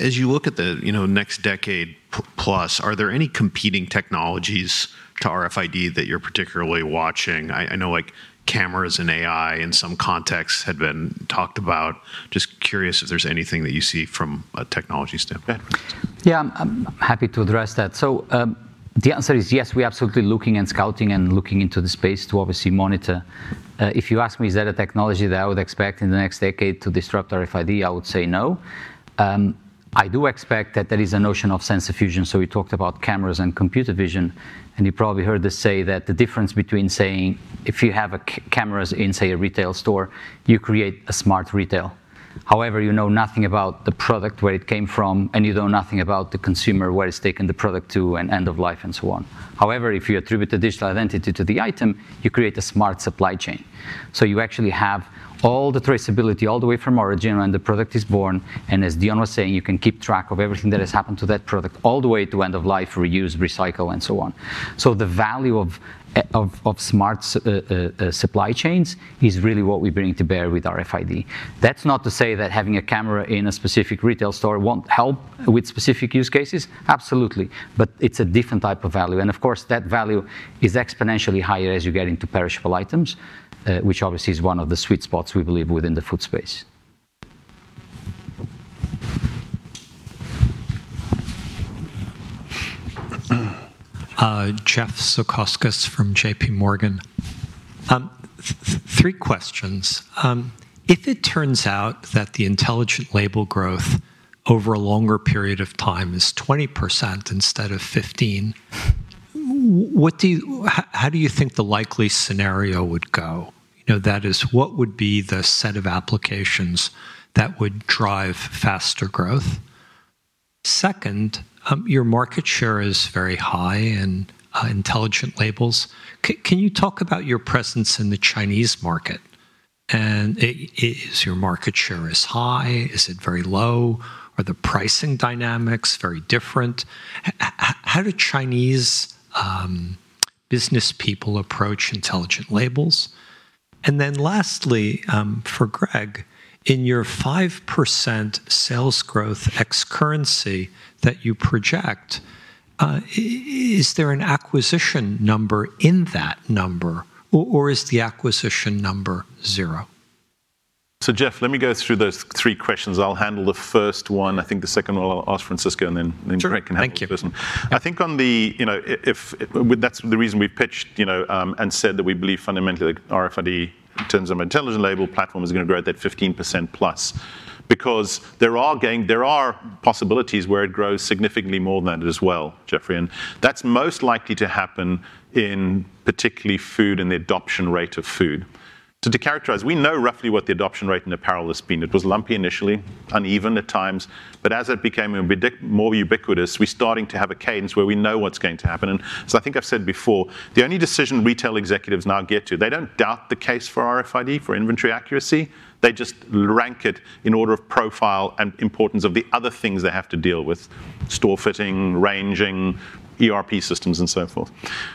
As you look at the, you know, next decade plus, are there any competing technologies to RFID that you're particularly watching? I know, like, cameras and AI in some contexts had been talked about. Just curious if there's anything that you see from a technology standpoint. Yeah, I'm happy to address that. So, the answer is yes, we're absolutely looking and scouting and looking into the space to obviously monitor. If you ask me, is that a technology that I would expect in the next decade to disrupt RFID? I would say no. I do expect that there is a notion of sensor fusion, so we talked about cameras and computer vision, and you probably heard this say that the difference between saying if you have cameras in, say, a retail store, you create a smart retail. However, you know nothing about the product, where it came from, and you know nothing about the consumer, where it's taking the product to, and end of life, and so on. However, if you attribute the digital identity to the item, you create a smart supply chain. So you actually have all the traceability all the way from origin, when the product is born, and as Dion was saying, you can keep track of everything that has happened to that product all the way to end of life, reuse, recycle, and so on. So the value of smart supply chains is really what we're bringing to bear with RFID. That's not to say that having a camera in a specific retail store won't help with specific use cases. Absolutely, but it's a different type of value. And of course, that value is exponentially higher as you get into perishable items, which obviously is one of the sweet spots we believe within the food space. Jeffrey Zekauskas from J.P. Morgan. Three questions. If it turns out that the intelligent label growth over a longer period of time is 20% instead of 15%, what do you... How do you think the likely scenario would go? You know, that is, what would be the set of applications that would drive faster growth? Second, your market share is very high in intelligent labels. Can you talk about your presence in the Chinese market? And is your market share as high? Is it very low? Are the pricing dynamics very different? How do Chinese business people approach intelligent labels? And then lastly, for Greg, in your 5% sales growth ex currency that you project, is there an acquisition number in that number, or is the acquisition number zero? So, Jeff, let me go through those three questions. I'll handle the first one. I think the second one I'll ask Francisco, and then- Sure. Then Greg can handle the third one. Thank you. I think... You know, if that's the reason we've pitched, you know, and said that we believe fundamentally that RFID, in terms of intelligent label platform, is going to grow at that 15% plus. Because there are possibilities where it grows significantly more than that as well, Jeffrey, and that's most likely to happen in particularly food and the adoption rate of food. To characterize, we know roughly what the adoption rate in apparel has been. It was lumpy initially, uneven at times, but as it became more ubiquitous, we're starting to have a cadence where we know what's going to happen. And so I think I've said before, the only decision retail executives now get to, they don't doubt the case for RFID, for inventory accuracy. They just rank it in order of profile and importance of the other things they have to deal with: store fitting, ranging, ERP systems, and so forth.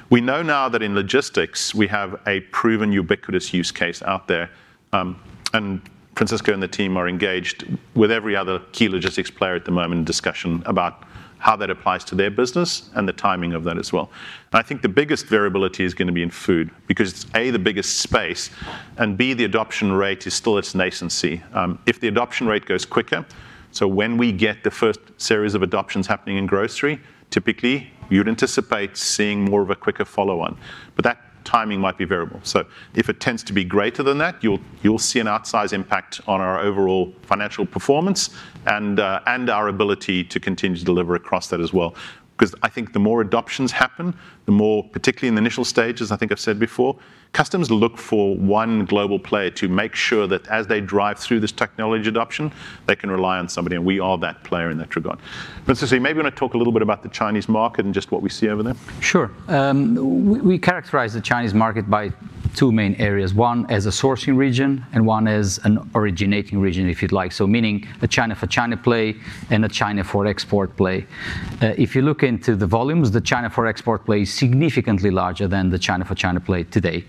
We know now that in logistics, we have a proven ubiquitous use case out there, and Francisco and the team are engaged with every other key logistics player at the moment in discussion about how that applies to their business and the timing of that as well, and I think the biggest variability is going to be in food, because it's, A, the biggest space, and B, the adoption rate is still its nascency. If the adoption rate goes quicker, so when we get the first series of adoptions happening in grocery, typically, you'd anticipate seeing more of a quicker follow-on, but that timing might be variable. So if it tends to be greater than that, you'll see an outsized impact on our overall financial performance and our ability to continue to deliver across that as well. 'Cause I think the more adoptions happen, the more, particularly in the initial stages, I think I've said before, customers look for one global player to make sure that as they drive through this technology adoption, they can rely on somebody, and we are that player in that regard. Francisco, you maybe want to talk a little bit about the Chinese market and just what we see over there. Sure. We characterize the Chinese market by two main areas, one as a sourcing region and one as an originating region, if you'd like, so meaning a China-for-China play and a China-for-export play. If you look into the volumes, the China-for-export play is significantly larger than the China-for-China play today.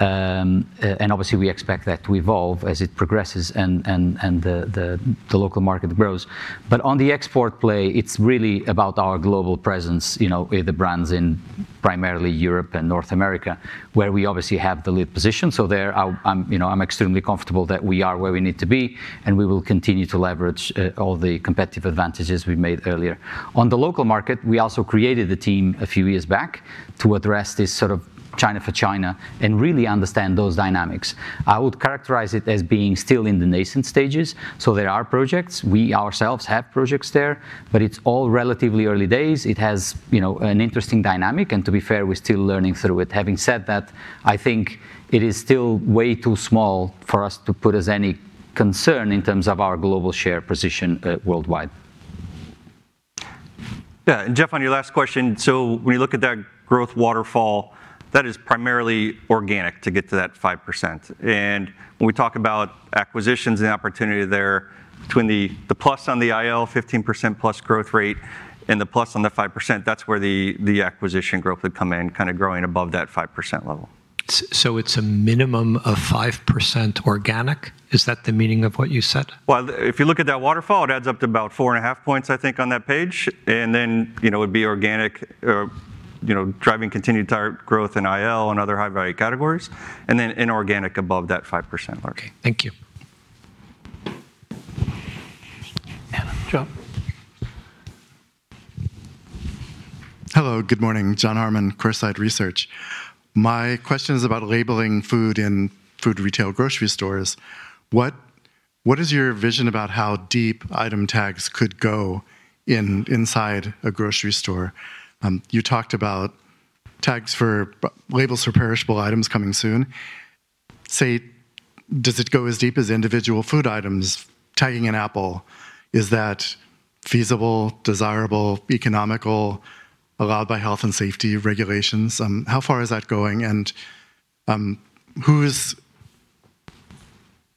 And obviously, we expect that to evolve as it progresses and the local market grows. But on the export play, it's really about our global presence, you know, with the brands in primarily Europe and North America, where we obviously have the lead position. So there, I'm, you know, I'm extremely comfortable that we are where we need to be, and we will continue to leverage all the competitive advantages we made earlier. On the local market, we also created the team a few years back to address this sort of China for China and really understand those dynamics. I would characterize it as being still in the nascent stages, so there are projects. We ourselves have projects there, but it's all relatively early days. It has, you know, an interesting dynamic, and to be fair, we're still learning through it. Having said that, I think it is still way too small for us to put as any concern in terms of our global share position, worldwide.... Yeah, and Jeff, on your last question, so when you look at that growth waterfall, that is primarily organic to get to that 5%. And when we talk about acquisitions and opportunity there, between the plus on the IL, 15% plus growth rate, and the plus on the 5%, that's where the acquisition growth would come in, kind of growing above that 5% level. So it's a minimum of 5% organic? Is that the meaning of what you said? If you look at that waterfall, it adds up to about four and a half points, I think, on that page. Then, you know, it would be organic, or, you know, driving continued growth in IL and other high-value categories, and then inorganic above that 5% mark. Okay, thank you. Anna, John? Hello, good morning. John Harmon, Coresight Research. My question is about labeling food in food retail grocery stores. What is your vision about how deep item tags could go inside a grocery store? You talked about tags for labels for perishable items coming soon. Say, does it go as deep as individual food items, tagging an apple? Is that feasible, desirable, economical, allowed by health and safety regulations? How far is that going, and who is...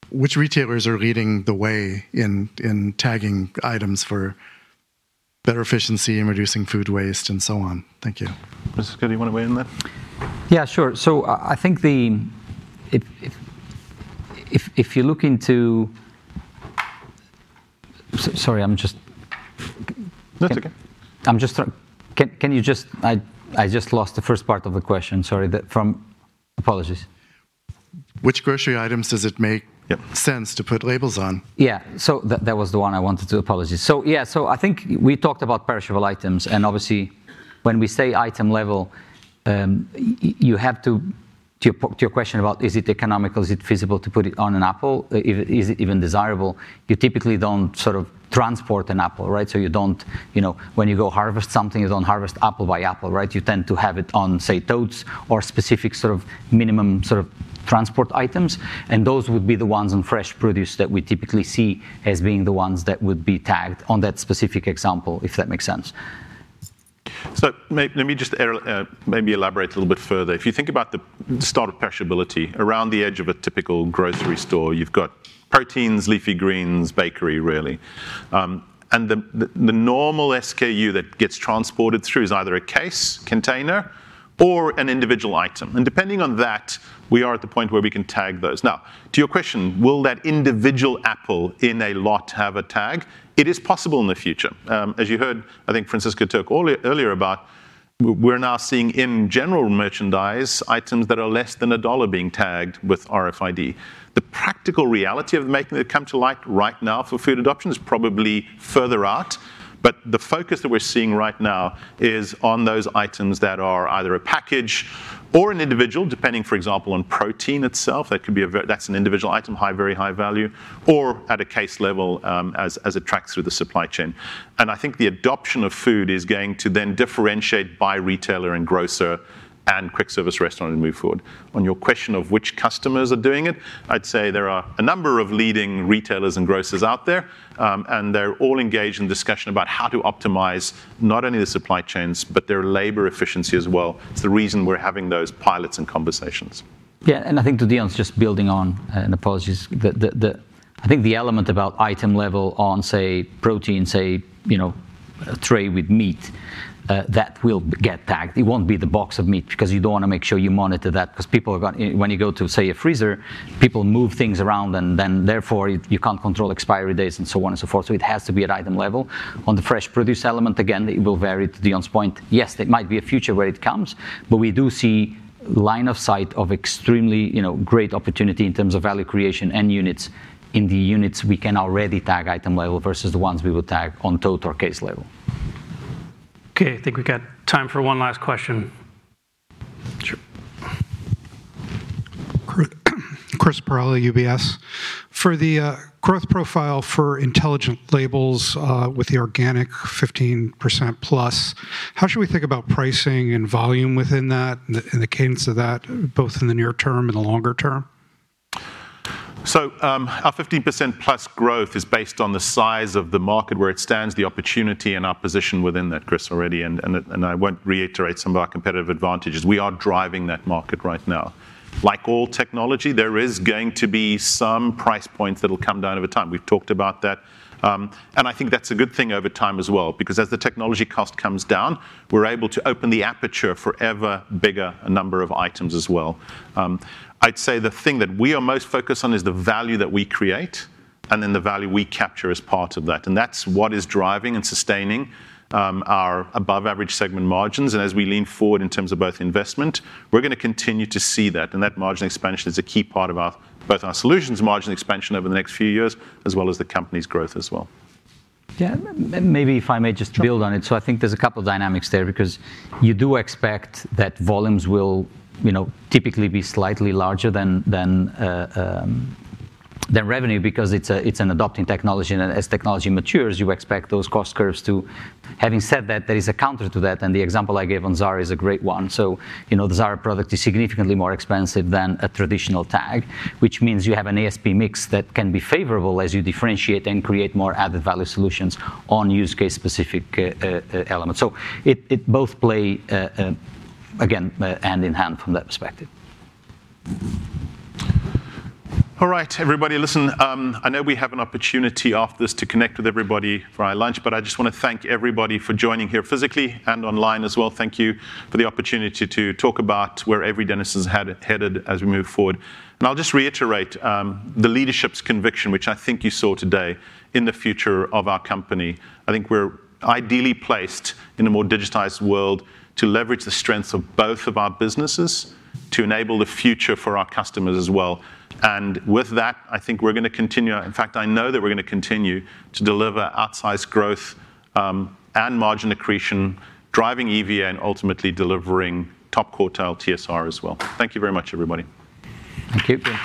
Which retailers are leading the way in tagging items for better efficiency and reducing food waste, and so on? Thank you. Francisco, do you want to weigh in on that? Yeah, sure. So I think the, if you look into... Sorry, I'm just- That's okay. Can you just... I just lost the first part of the question, sorry, from... Apologies. Which grocery items does it make? Yep... sense to put labels on? Yeah, so that was the one I wanted to. Apologies. So yeah, so I think we talked about perishable items, and obviously, when we say item level, you have to, to your question about is it economical, is it feasible to put it on an apple, is it even desirable? You typically don't sort of transport an apple, right? So you don't, you know, when you go harvest something, you don't harvest apple by apple, right? You tend to have it on, say, totes or specific sort of minimum sort of transport items, and those would be the ones in fresh produce that we typically see as being the ones that would be tagged on that specific example, if that makes sense. So let me just maybe elaborate a little bit further. If you think about the start of perishability, around the edge of a typical grocery store, you've got proteins, leafy greens, bakery, really. And the normal SKU that gets transported through is either a case, container or an individual item, and depending on that, we are at the point where we can tag those. Now, to your question, will that individual apple in a lot have a tag? It is possible in the future. As you heard, I think Francisco talk earlier about, we're now seeing in general merchandise items that are less than a dollar being tagged with RFID. The practical reality of making it come to light right now for food adoption is probably further out, but the focus that we're seeing right now is on those items that are either a package or an individual, depending, for example, on protein itself. That could be that's an individual item, high, very high value, or at a case level, as it tracks through the supply chain. And I think the adoption of food is going to then differentiate by retailer and grocer and quick service restaurant and move forward. On your question of which customers are doing it, I'd say there are a number of leading retailers and grocers out there, and they're all engaged in discussion about how to optimize not only the supply chains, but their labor efficiency as well. It's the reason we're having those pilots and conversations. Yeah, and I think to Deon's, just building on, and apologies, I think the element about item level on, say, protein, say, you know, a tray with meat, that will get tagged. It won't be the box of meat because you don't want to make sure you monitor that, because people are going- when you go to, say, a freezer, people move things around, and then therefore, you can't control expiry dates, and so on and so forth. So it has to be at item level. On the fresh produce element, again, it will vary. To Dion's point, yes, there might be a future where it comes, but we do see line of sight of extremely, you know, great opportunity in terms of value creation and units in the units we can already tag item level versus the ones we will tag on tote or case level. Okay, I think we've got time for one last question. Sure. Chris Perrella, UBS. For the growth profile for Intelligent Labels, with the organic 15% plus, how should we think about pricing and volume within that, and the cadence of that, both in the near term and the longer term? Our 15% plus growth is based on the size of the market, where it stands, the opportunity, and our position within that, Chris, already, and I won't reiterate some of our competitive advantages. We are driving that market right now. Like all technology, there is going to be some price points that'll come down over time. We've talked about that. And I think that's a good thing over time as well, because as the technology cost comes down, we're able to open the aperture for ever bigger number of items as well. I'd say the thing that we are most focused on is the value that we create, and then the value we capture as part of that. And that's what is driving and sustaining our above-average segment margins. As we lean forward in terms of both investment, we're going to continue to see that, and that margin expansion is a key part of our, both our solutions margin expansion over the next few years, as well as the company's growth as well. Yeah, maybe if I may just build on it. So I think there's a couple dynamics there, because you do expect that volumes will, you know, typically be slightly larger than revenue, because it's a, it's an adopting technology, and as technology matures, you expect those cost curves to... Having said that, there is a counter to that, and the example I gave on Zara is a great one. So, you know, the Zara product is significantly more expensive than a traditional tag, which means you have an ASP mix that can be favorable as you differentiate and create more added value solutions on use case-specific elements. So it, it both play, again, hand in hand from that perspective. All right, everybody, listen. I know we have an opportunity after this to connect with everybody for our lunch, but I just want to thank everybody for joining here physically and online as well. Thank you for the opportunity to talk about where Avery Dennison is headed as we move forward. I'll just reiterate the leadership's conviction, which I think you saw today, in the future of our company. I think we're ideally placed in a more digitized world to leverage the strengths of both of our businesses to enable the future for our customers as well. With that, I think we're going to continue. In fact, I know that we're going to continue to deliver outsized growth and margin accretion, driving EVA and ultimately delivering top quartile TSR as well. Thank you very much, everybody. Thank you.